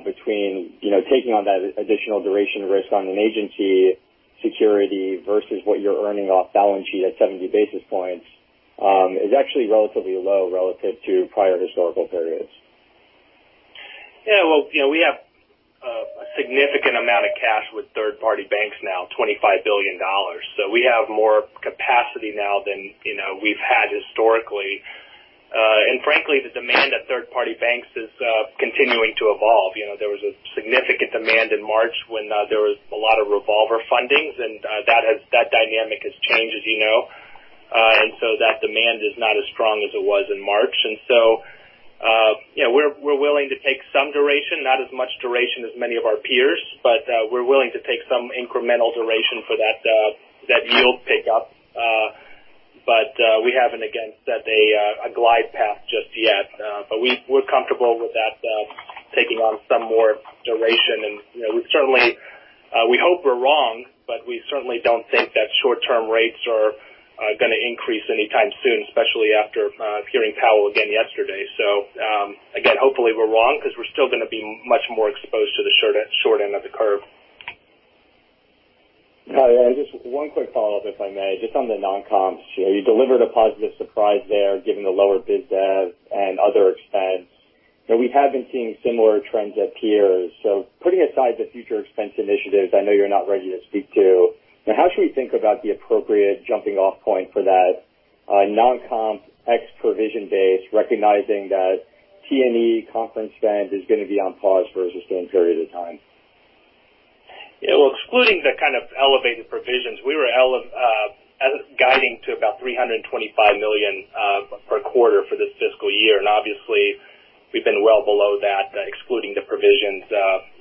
between taking on that additional duration risk on an agency security versus what you're earning off balance sheet at 70 basis points is actually relatively low relative to prior historical periods? Yeah. Well, we have a significant amount of cash with third-party banks now, $25 billion. So we have more capacity now than we've had historically. And frankly, the demand at third-party banks is continuing to evolve. There was a significant demand in March when there was a lot of revolver fundings, and that dynamic has changed, as you know. And so that demand is not as strong as it was in March. And so we're willing to take some duration, not as much duration as many of our peers, but we're willing to take some incremental duration for that yield pickup. But we haven't again set a glide path just yet. But we're comfortable with that, taking on some more duration. And we hope we're wrong, but we certainly don't think that short-term rates are going to increase anytime soon, especially after hearing Powell again yesterday. So again, hopefully we're wrong because we're still going to be much more exposed to the short end of the curve. And just one quick follow-up, if I may, just on the non-comps. You delivered a positive surprise there given the lower biz dev and other expense. We have been seeing similar trends at peers. So putting aside the future expense initiatives, I know you're not ready to speak to. How should we think about the appropriate jumping-off point for that non-comp expense provision base, recognizing that T&E conference spend is going to be on pause for a sustained period of time? Yeah. Well, excluding the kind of elevated provisions, we were guiding to about $325 million per quarter for this fiscal year. And obviously, we've been well below that, excluding the provisions,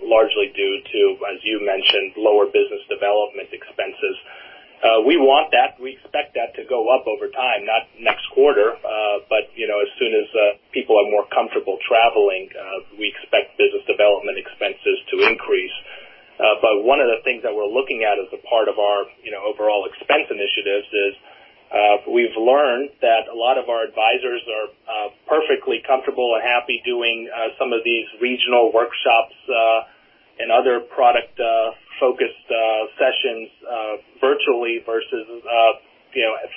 largely due to, as you mentioned, lower business development expenses. We want that. We expect that to go up over time, not next quarter, but as soon as people are more comfortable traveling, we expect business development expenses to increase. But one of the things that we're looking at as a part of our overall expense initiatives is we've learned that a lot of our advisors are perfectly comfortable and happy doing some of these regional workshops and other product-focused sessions virtually versus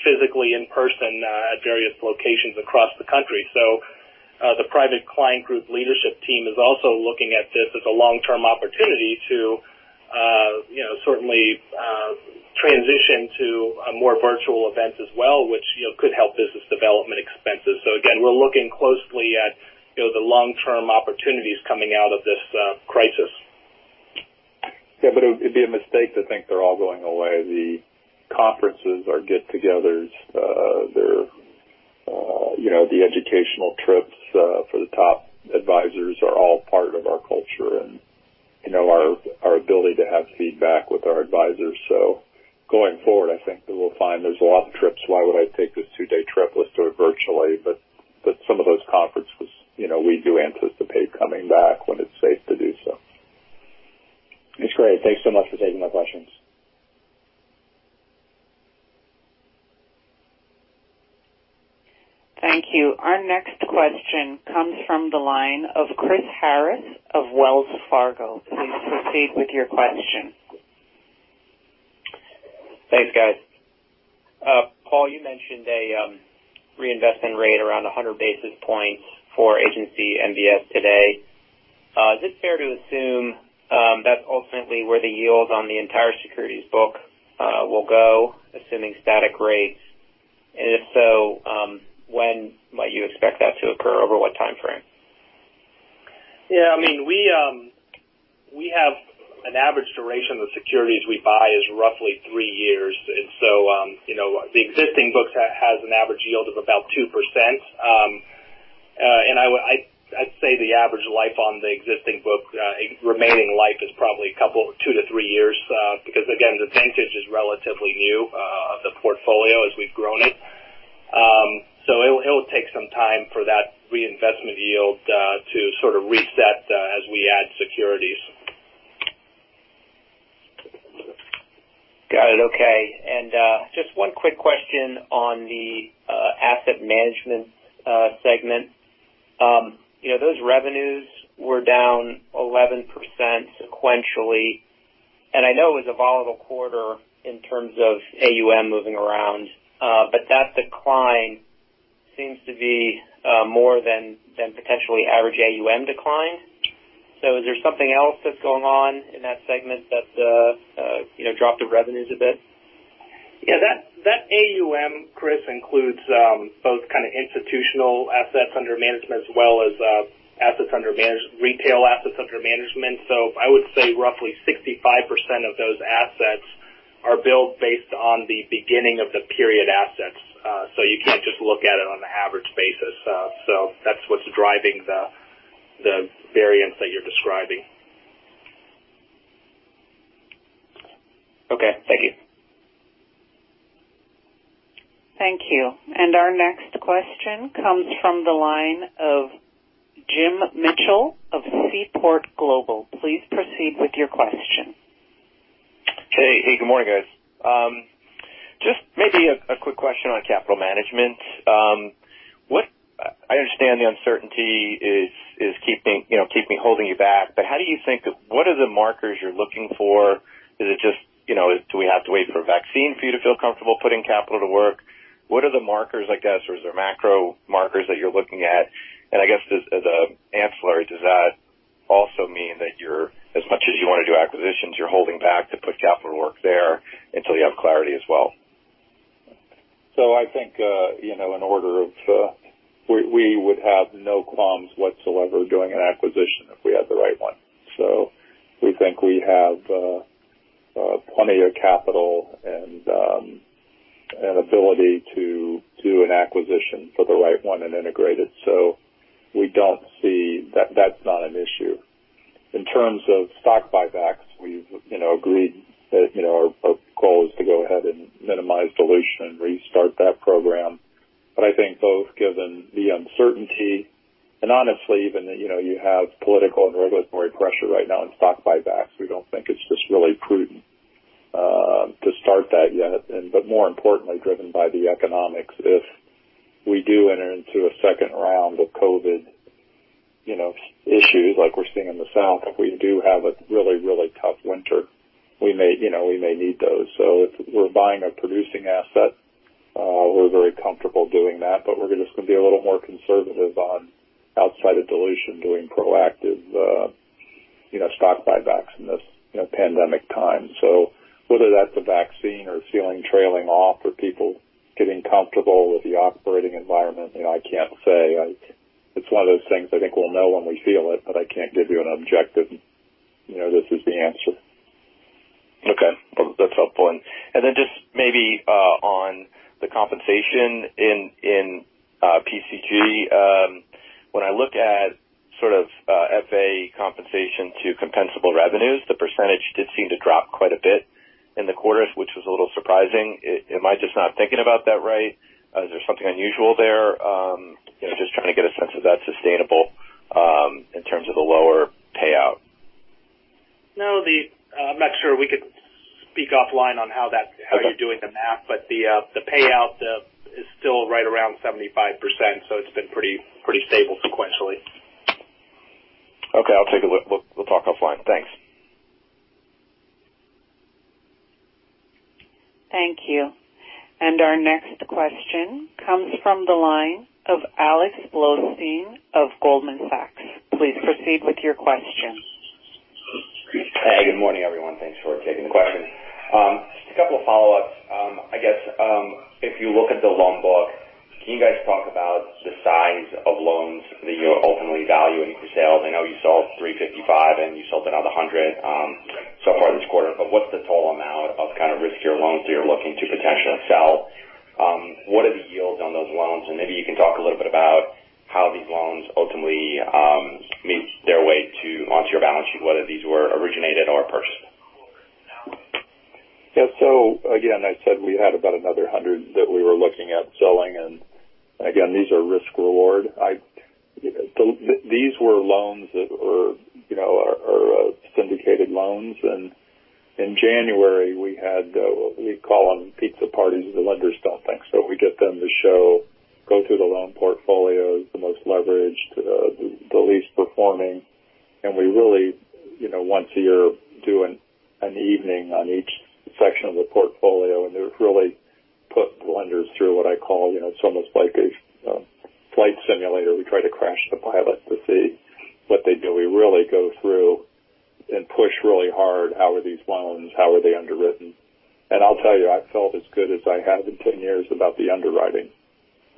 physically in person at various locations across the country. So the Private Client Group leadership team is also looking at this as a long-term opportunity to certainly transition to a more virtual event as well, which could help business development expenses. So again, we're looking closely at the long-term opportunities coming out of this crisis. Yeah. But it'd be a mistake to think they're all going away. The conferences are get-togethers. The educational trips for the top advisors are all part of our culture and our ability to have feedback with our advisors. So going forward, I think that we'll find there's a lot of trips. Why would I take this two-day trip? Let's do it virtually. But some of those conferences, we do anticipate coming back when it's safe to do so. That's great. Thanks so much for taking my questions. Thank you. Our next question comes from the line of Chris Harris of Wells Fargo. Please proceed with your question. Thanks, guys. Paul, you mentioned a reinvestment rate around 100 basis points for agency MBS today. Is it fair to assume that's ultimately where the yield on the entire securities book will go, assuming static rates? And if so, when might you expect that to occur? Over what time frame? Yeah. I mean, we have an average duration of the securities we buy is roughly three years. And so the existing book has an average yield of about 2%. And I'd say the average life on the existing book, remaining life is probably two to three years because, again, the vintage is relatively new of the portfolio as we've grown it. So it'll take some time for that reinvestment yield to sort of reset as we add securities. Got it. Okay. And just one quick question on the Asset Management segment. Those revenues were down 11% sequentially. And I know it was a volatile quarter in terms of AUM moving around, but that decline seems to be more than potentially average AUM decline. So is there something else that's going on in that segment that dropped the revenues a bit? Yeah. That AUM, Chris, includes both kind of institutional assets under management as well as assets under management, retail assets under management. So I would say roughly 65% of those assets are billed based on the beginning of the period assets. So that's what's driving the variance that you're describing. Okay. Thank you. Thank you. And our next question comes from the line of Jim Mitchell of Seaport Global. Please proceed with your question. Hey. Hey. Good morning, guys. Just maybe a quick question on capital management. I understand the uncertainty is holding you back, but how do you think—what are the markers you're looking for? Is it just—do we have to wait for a vaccine for you to feel comfortable putting capital to work? What are the markers, I guess, or is there macro markers that you're looking at? And I guess as an ancillary, does that also mean that as much as you want to do acquisitions, you're holding back to put capital to work there until you have clarity as well? I think in order to we would have no qualms whatsoever doing an acquisition if we had the right one. So we think we have plenty of capital and ability to do an acquisition for the right one and integrate it. So we don't see that that's not an issue. In terms of stock buybacks, we've agreed that our goal is to go ahead and minimize dilution and restart that program. But I think, given the uncertainty and honestly, even though you have political and regulatory pressure right now on stock buybacks, we don't think it's just not really prudent to start that yet. But more importantly, driven by the economics, if we do enter into a second round of COVID issues like we're seeing in the South, if we do have a really, really tough winter, we may need those. So if we're buying a producing asset, we're very comfortable doing that, but we're just going to be a little more conservative on outside of dilution doing proactive stock buybacks in this pandemic time. So whether that's a vaccine or feeling trailing off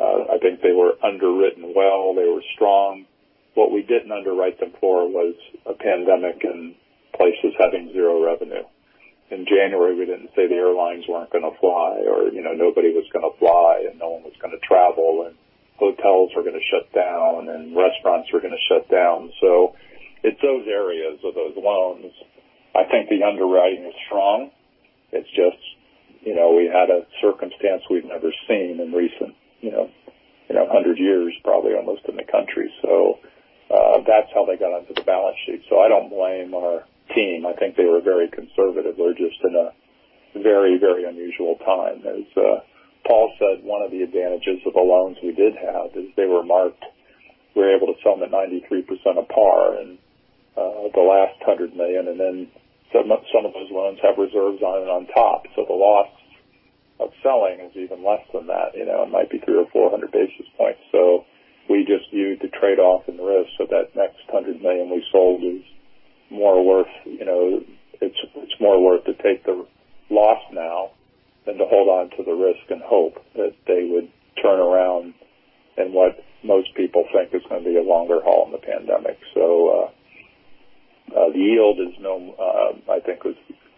I think they were underwritten well. They were strong. What we didn't underwrite them for was a pandemic and places having zero revenue. In January, we didn't say the airlines weren't going to fly or nobody was going to fly and no one was going to travel and hotels were going to shut down and restaurants were going to shut down. So it's those areas of those loans. I think the underwriting is strong. It's just we had a circumstance we've never seen in recent 100 years, probably almost in the country. So that's how they got onto the balance sheet. So I don't blame our team. I think they were very conservative. We're just in a very, very unusual time. As Paul said, one of the advantages of the loans we did have is they were marked. We were able to sell them at 93% of par in the last $100 million. And then some of those loans have reserves on top. So the loss of selling is even less than that. It might be 300 or 400 basis points. So we just viewed the trade-off and the risk. So that next 100 million we sold is more worth it to take the loss now than to hold on to the risk and hope that they would turn around in what most people think is going to be a longer haul in the pandemic. So the yield is, I think,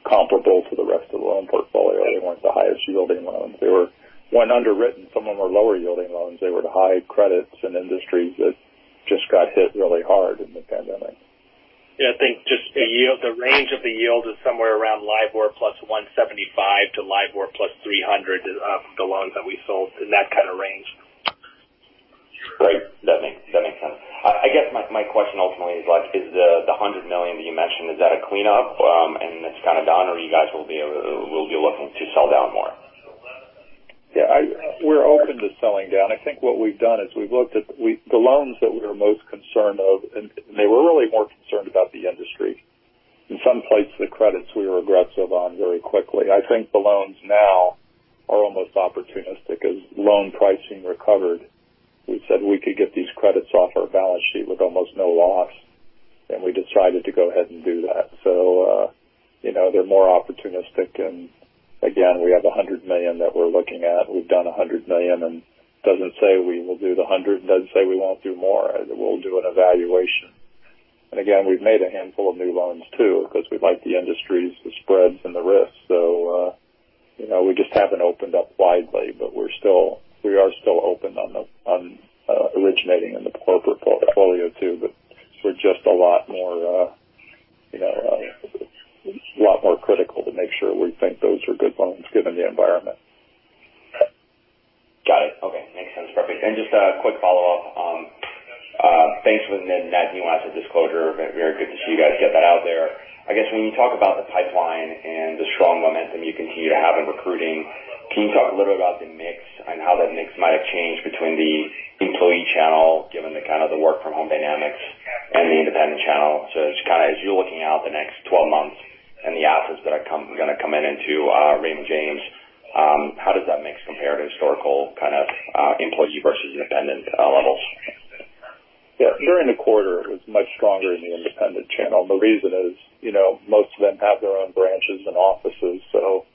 comparable to the rest of the loan portfolio. They weren't the highest yielding loans. They were when underwritten, some of them were lower yielding loans. They were to high credits and industries that just got hit really hard in the pandemic. Yeah. I think just the range of the yield is somewhere around LIBOR plus 175 to LIBOR plus 300 of the loans that we sold in that kind of range. Great. That makes sense. I guess my question ultimately is, is the $100 million that you mentioned, is that a cleanup and it's kind of gone or you guys will be looking to sell down more? Yeah. We're open to selling down. I think what we've done is we've looked at the loans that we were most concerned of, and they were really more concerned about the industry. In some places, the credits we were aggressive on very quickly. I think the loans now are almost opportunistic. As loan pricing recovered, we said we could get these credits off our balance sheet with almost no loss. And we decided to go ahead and do that. So they're more opportunistic. And again, we have $100 million that we're looking at. We've done $100 million. And it doesn't say we will do the $100. It doesn't say we won't do more. We'll do an evaluation, and again, we've made a handful of new loans too because we like the industries, the spreads, and the risks, so we just haven't opened up widely, but we are still open on originating in the corporate portfolio too, but we're just a lot more critical to make sure we think those are good loans given the environment. Got it. Okay. Makes sense. Perfect, and just a quick follow-up. Thanks for that nuanced disclosure. Very good to see you guys get that out there. I guess when you talk about the pipeline and the strong momentum you continue to have in recruiting, can you talk a little bit about the mix and how that mix might have changed between the employee channel given the kind of the work-from-home dynamics and the independent channel? So just kind of as you're looking out the next 12 months and the assets that are going to come in into Raymond James, how does that mix compare to historical kind of employee versus independent levels? Yeah. During the quarter, it was much stronger in the independent channel. And the reason is most of them have their own branches and offices. So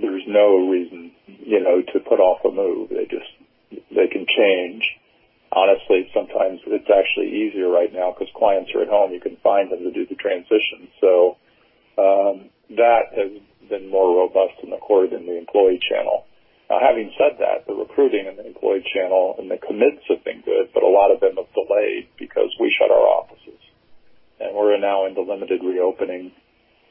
there's no reason to put off a move. They can change. Honestly, sometimes it's actually easier right now because clients are at home. You can find them to do the transition. So that has been more robust in the quarter than the employee channel. Now, having said that, the recruiting and the employee channel and the commits have been good, but a lot of them have delayed because we shut our offices. And we're now into limited reopening,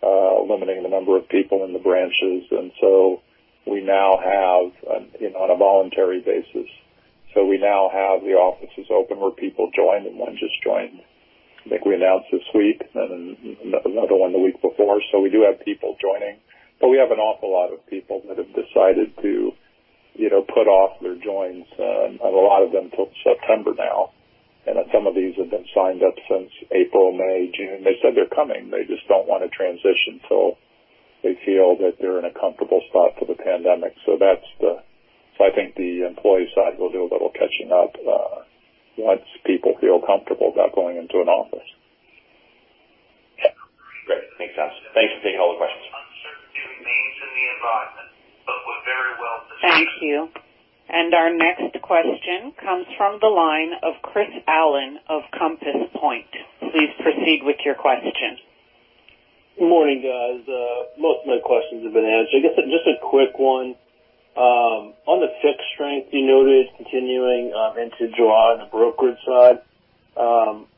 limiting the number of people in the branches. And so we now have, on a voluntary basis. So we now have the offices open where people join, and one just joined. I think we announced this week, and another one the week before. So we do have people joining. But we have an awful lot of people that have decided to put off their joins. A lot of them till September now. And some of these have been signed up since April, May, June. They said they're coming. They just don't want to transition till they feel that they're in a comfortable spot for the pandemic. So I think the employee side will do a little catching up once people feel comfortable about going into an office. Yeah. Great. Makes sense. Thanks for taking all the questions. Thank you. And our next question comes from the line of Chris Allen of Compass Point. Please proceed with your question. Good morning, guys. Most of my questions have been answered. I guess just a quick one. On the fixed strength, you noted continuing into draw on the brokerage side.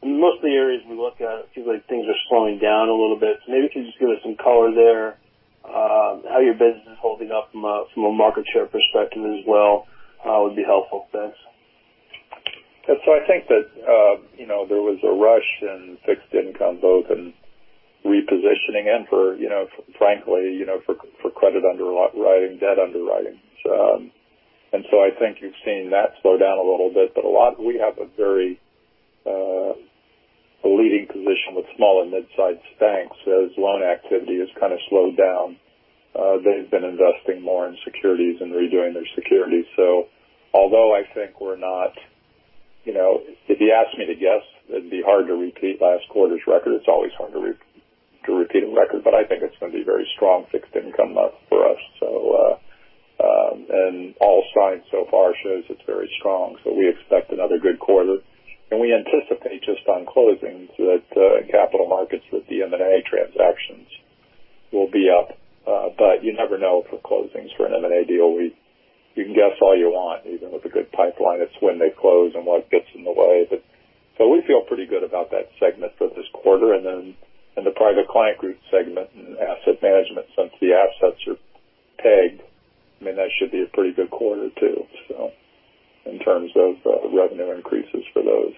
In most of the areas we look at, it seems like things are slowing down a little bit. So maybe if you could just give us some color there, how your business is holding up from a market share perspective as well would be helpful. Thanks. Yeah. So I think that there was a rush in fixed income both in repositioning and for, frankly, for credit underwriting, debt underwriting. And so I think you've seen that slow down a little bit. But we have a very leading position with small and mid-sized banks as loan activity has kind of slowed down. They've been investing more in securities and redoing their securities. So although I think we're not if you asked me to guess, it'd be hard to repeat last quarter's record. It's always hard to repeat a record. But I think it's going to be a very strong fixed income for us. And all signs so far show it's very strong. So we expect another good quarter. And we anticipate just on closings that capital markets, that the M&A transactions will be up. But you never know for closings for an M&A deal. You can guess all you want even with a good pipeline. It's when they close and what gets in the way, but we feel pretty good about that segment for this quarter, and then in the Private Client Group segment and Asset Management, since the assets are pegged, I mean, that should be a pretty good quarter too in terms of revenue increases for those.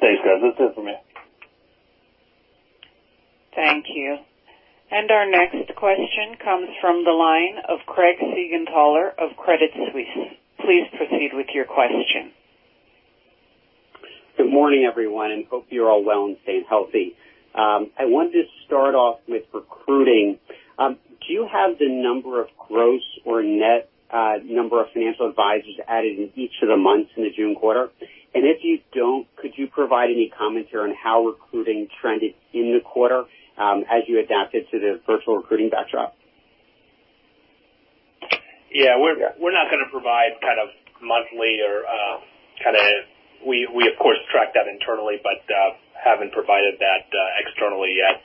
Thanks, guys. That's it for me. Thank you. And our next question comes from the line of Craig Siegenthaler of Credit Suisse. Please proceed with your question. Good morning, everyone, and hope you're all well and staying healthy. I wanted to start off with recruiting. Do you have the number of gross or net number of financial advisors added in each of the months in the June quarter? And if you don't, could you provide any comment here on how recruiting trended in the quarter as you adapted to the virtual recruiting backdrop? Yeah. We're not going to provide kind of monthly or kind of we, of course, track that internally, but haven't provided that externally yet.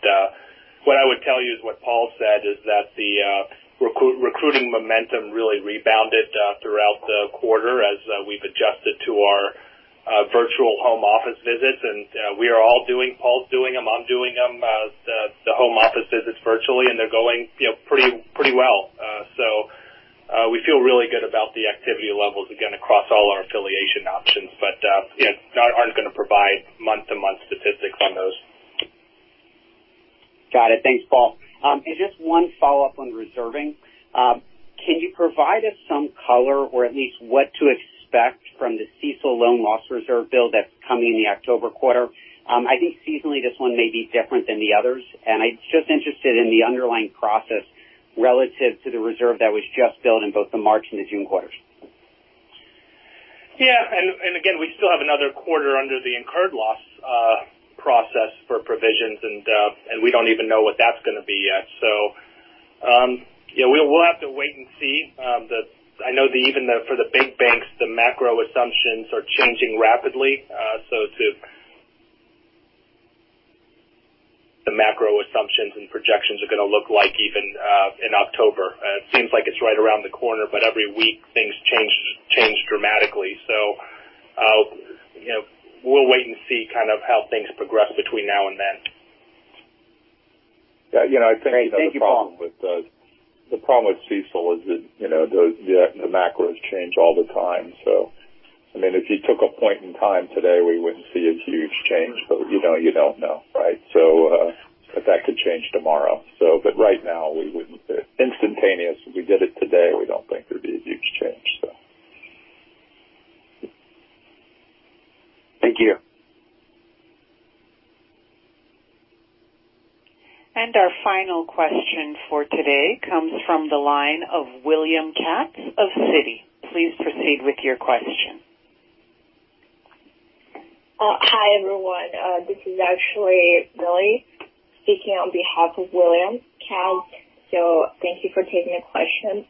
What I would tell you is what Paul said is that the recruiting momentum really rebounded throughout the quarter as we've adjusted to our virtual home office visits. And we are all doing. Paul's doing them. I'm doing them, the home office visits virtually. And they're going pretty well. So we feel really good about the activity levels again across all our affiliation options. But yeah, aren't going to provide month-to-month statistics on those. Got it. Thanks, Paul, and just one follow-up on reserving. Can you provide us some color or at least what to expect from the CECL loan loss reserve build that's coming in the October quarter? I think seasonally this one may be different than the others, and I'm just interested in the underlying process relative to the reserve that was just built in both the March and the June quarters. Yeah. And again, we still have another quarter under the incurred loss process for provisions. And we don't even know what that's going to be yet. So yeah, we'll have to wait and see. I know even for the big banks, the macro assumptions are changing rapidly. So the macro assumptions and projections are going to look like even in October. It seems like it's right around the corner, but every week things change dramatically. So we'll wait and see kind of how things progress between now and then. Yeah. I think the problem with CECL is that the macros change all the time. So I mean, if you took a point in time today, we wouldn't see a huge change. But you don't know, right? But that could change tomorrow. But right now, we wouldn't instantaneous. If we did it today, we don't think there'd be a huge change, so. Thank you. Our final question for today comes from the line of William Katz of Citi. Please proceed with your question. Hi, everyone. This is actually Billy speaking on behalf of William Katz. So thank you for taking the question.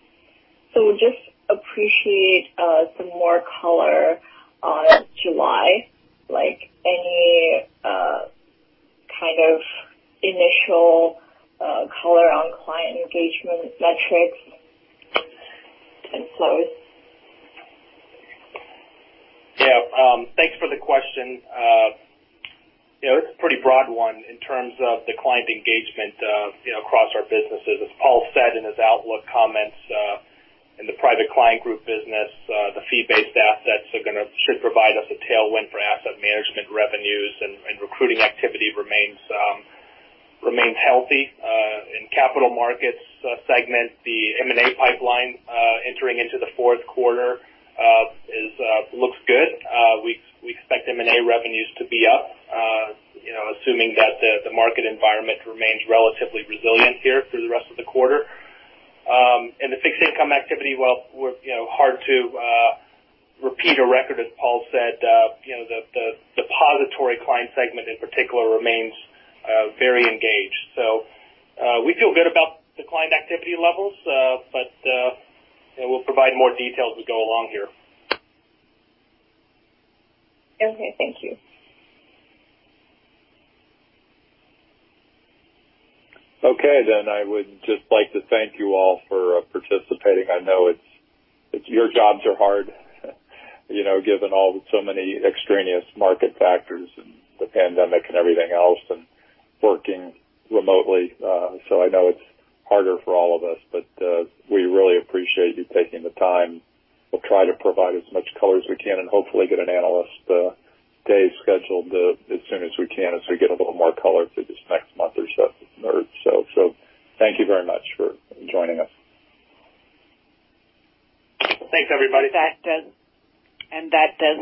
So we just appreciate some more color on July, like any kind of initial color on client engagement metrics and flows. Yeah. Thanks for the question. It's a pretty broad one in terms of the client engagement across our businesses. As Paul said in his Outlook comments in the Private Client Group business, the fee-based assets should provide us a tailwind for Asset Management revenues. And recruiting activity remains healthy. In Capital Markets segment, the M&A pipeline entering into the fourth quarter looks good. We expect M&A revenues to be up, assuming that the market environment remains relatively resilient here through the rest of the quarter. And the fixed income activity, well, we're hard to repeat a record, as Paul said. The depository client segment in particular remains very engaged. So we feel good about the client activity levels. But we'll provide more details as we go along here. Okay. Thank you. Okay. Then I would just like to thank you all for participating. I know your jobs are hard given all so many extraneous market factors and the pandemic and everything else and working remotely. So I know it's harder for all of us. But we really appreciate you taking the time. We'll try to provide as much color as we can and hopefully get an analyst day scheduled as soon as we can as we get a little more color through this next month or so. So thank you very much for joining us. Thanks, everybody. That does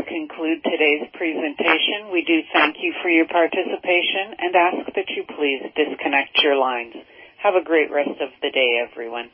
conclude today's presentation. We do thank you for your participation and ask that you please disconnect your lines. Have a great rest of the day, everyone.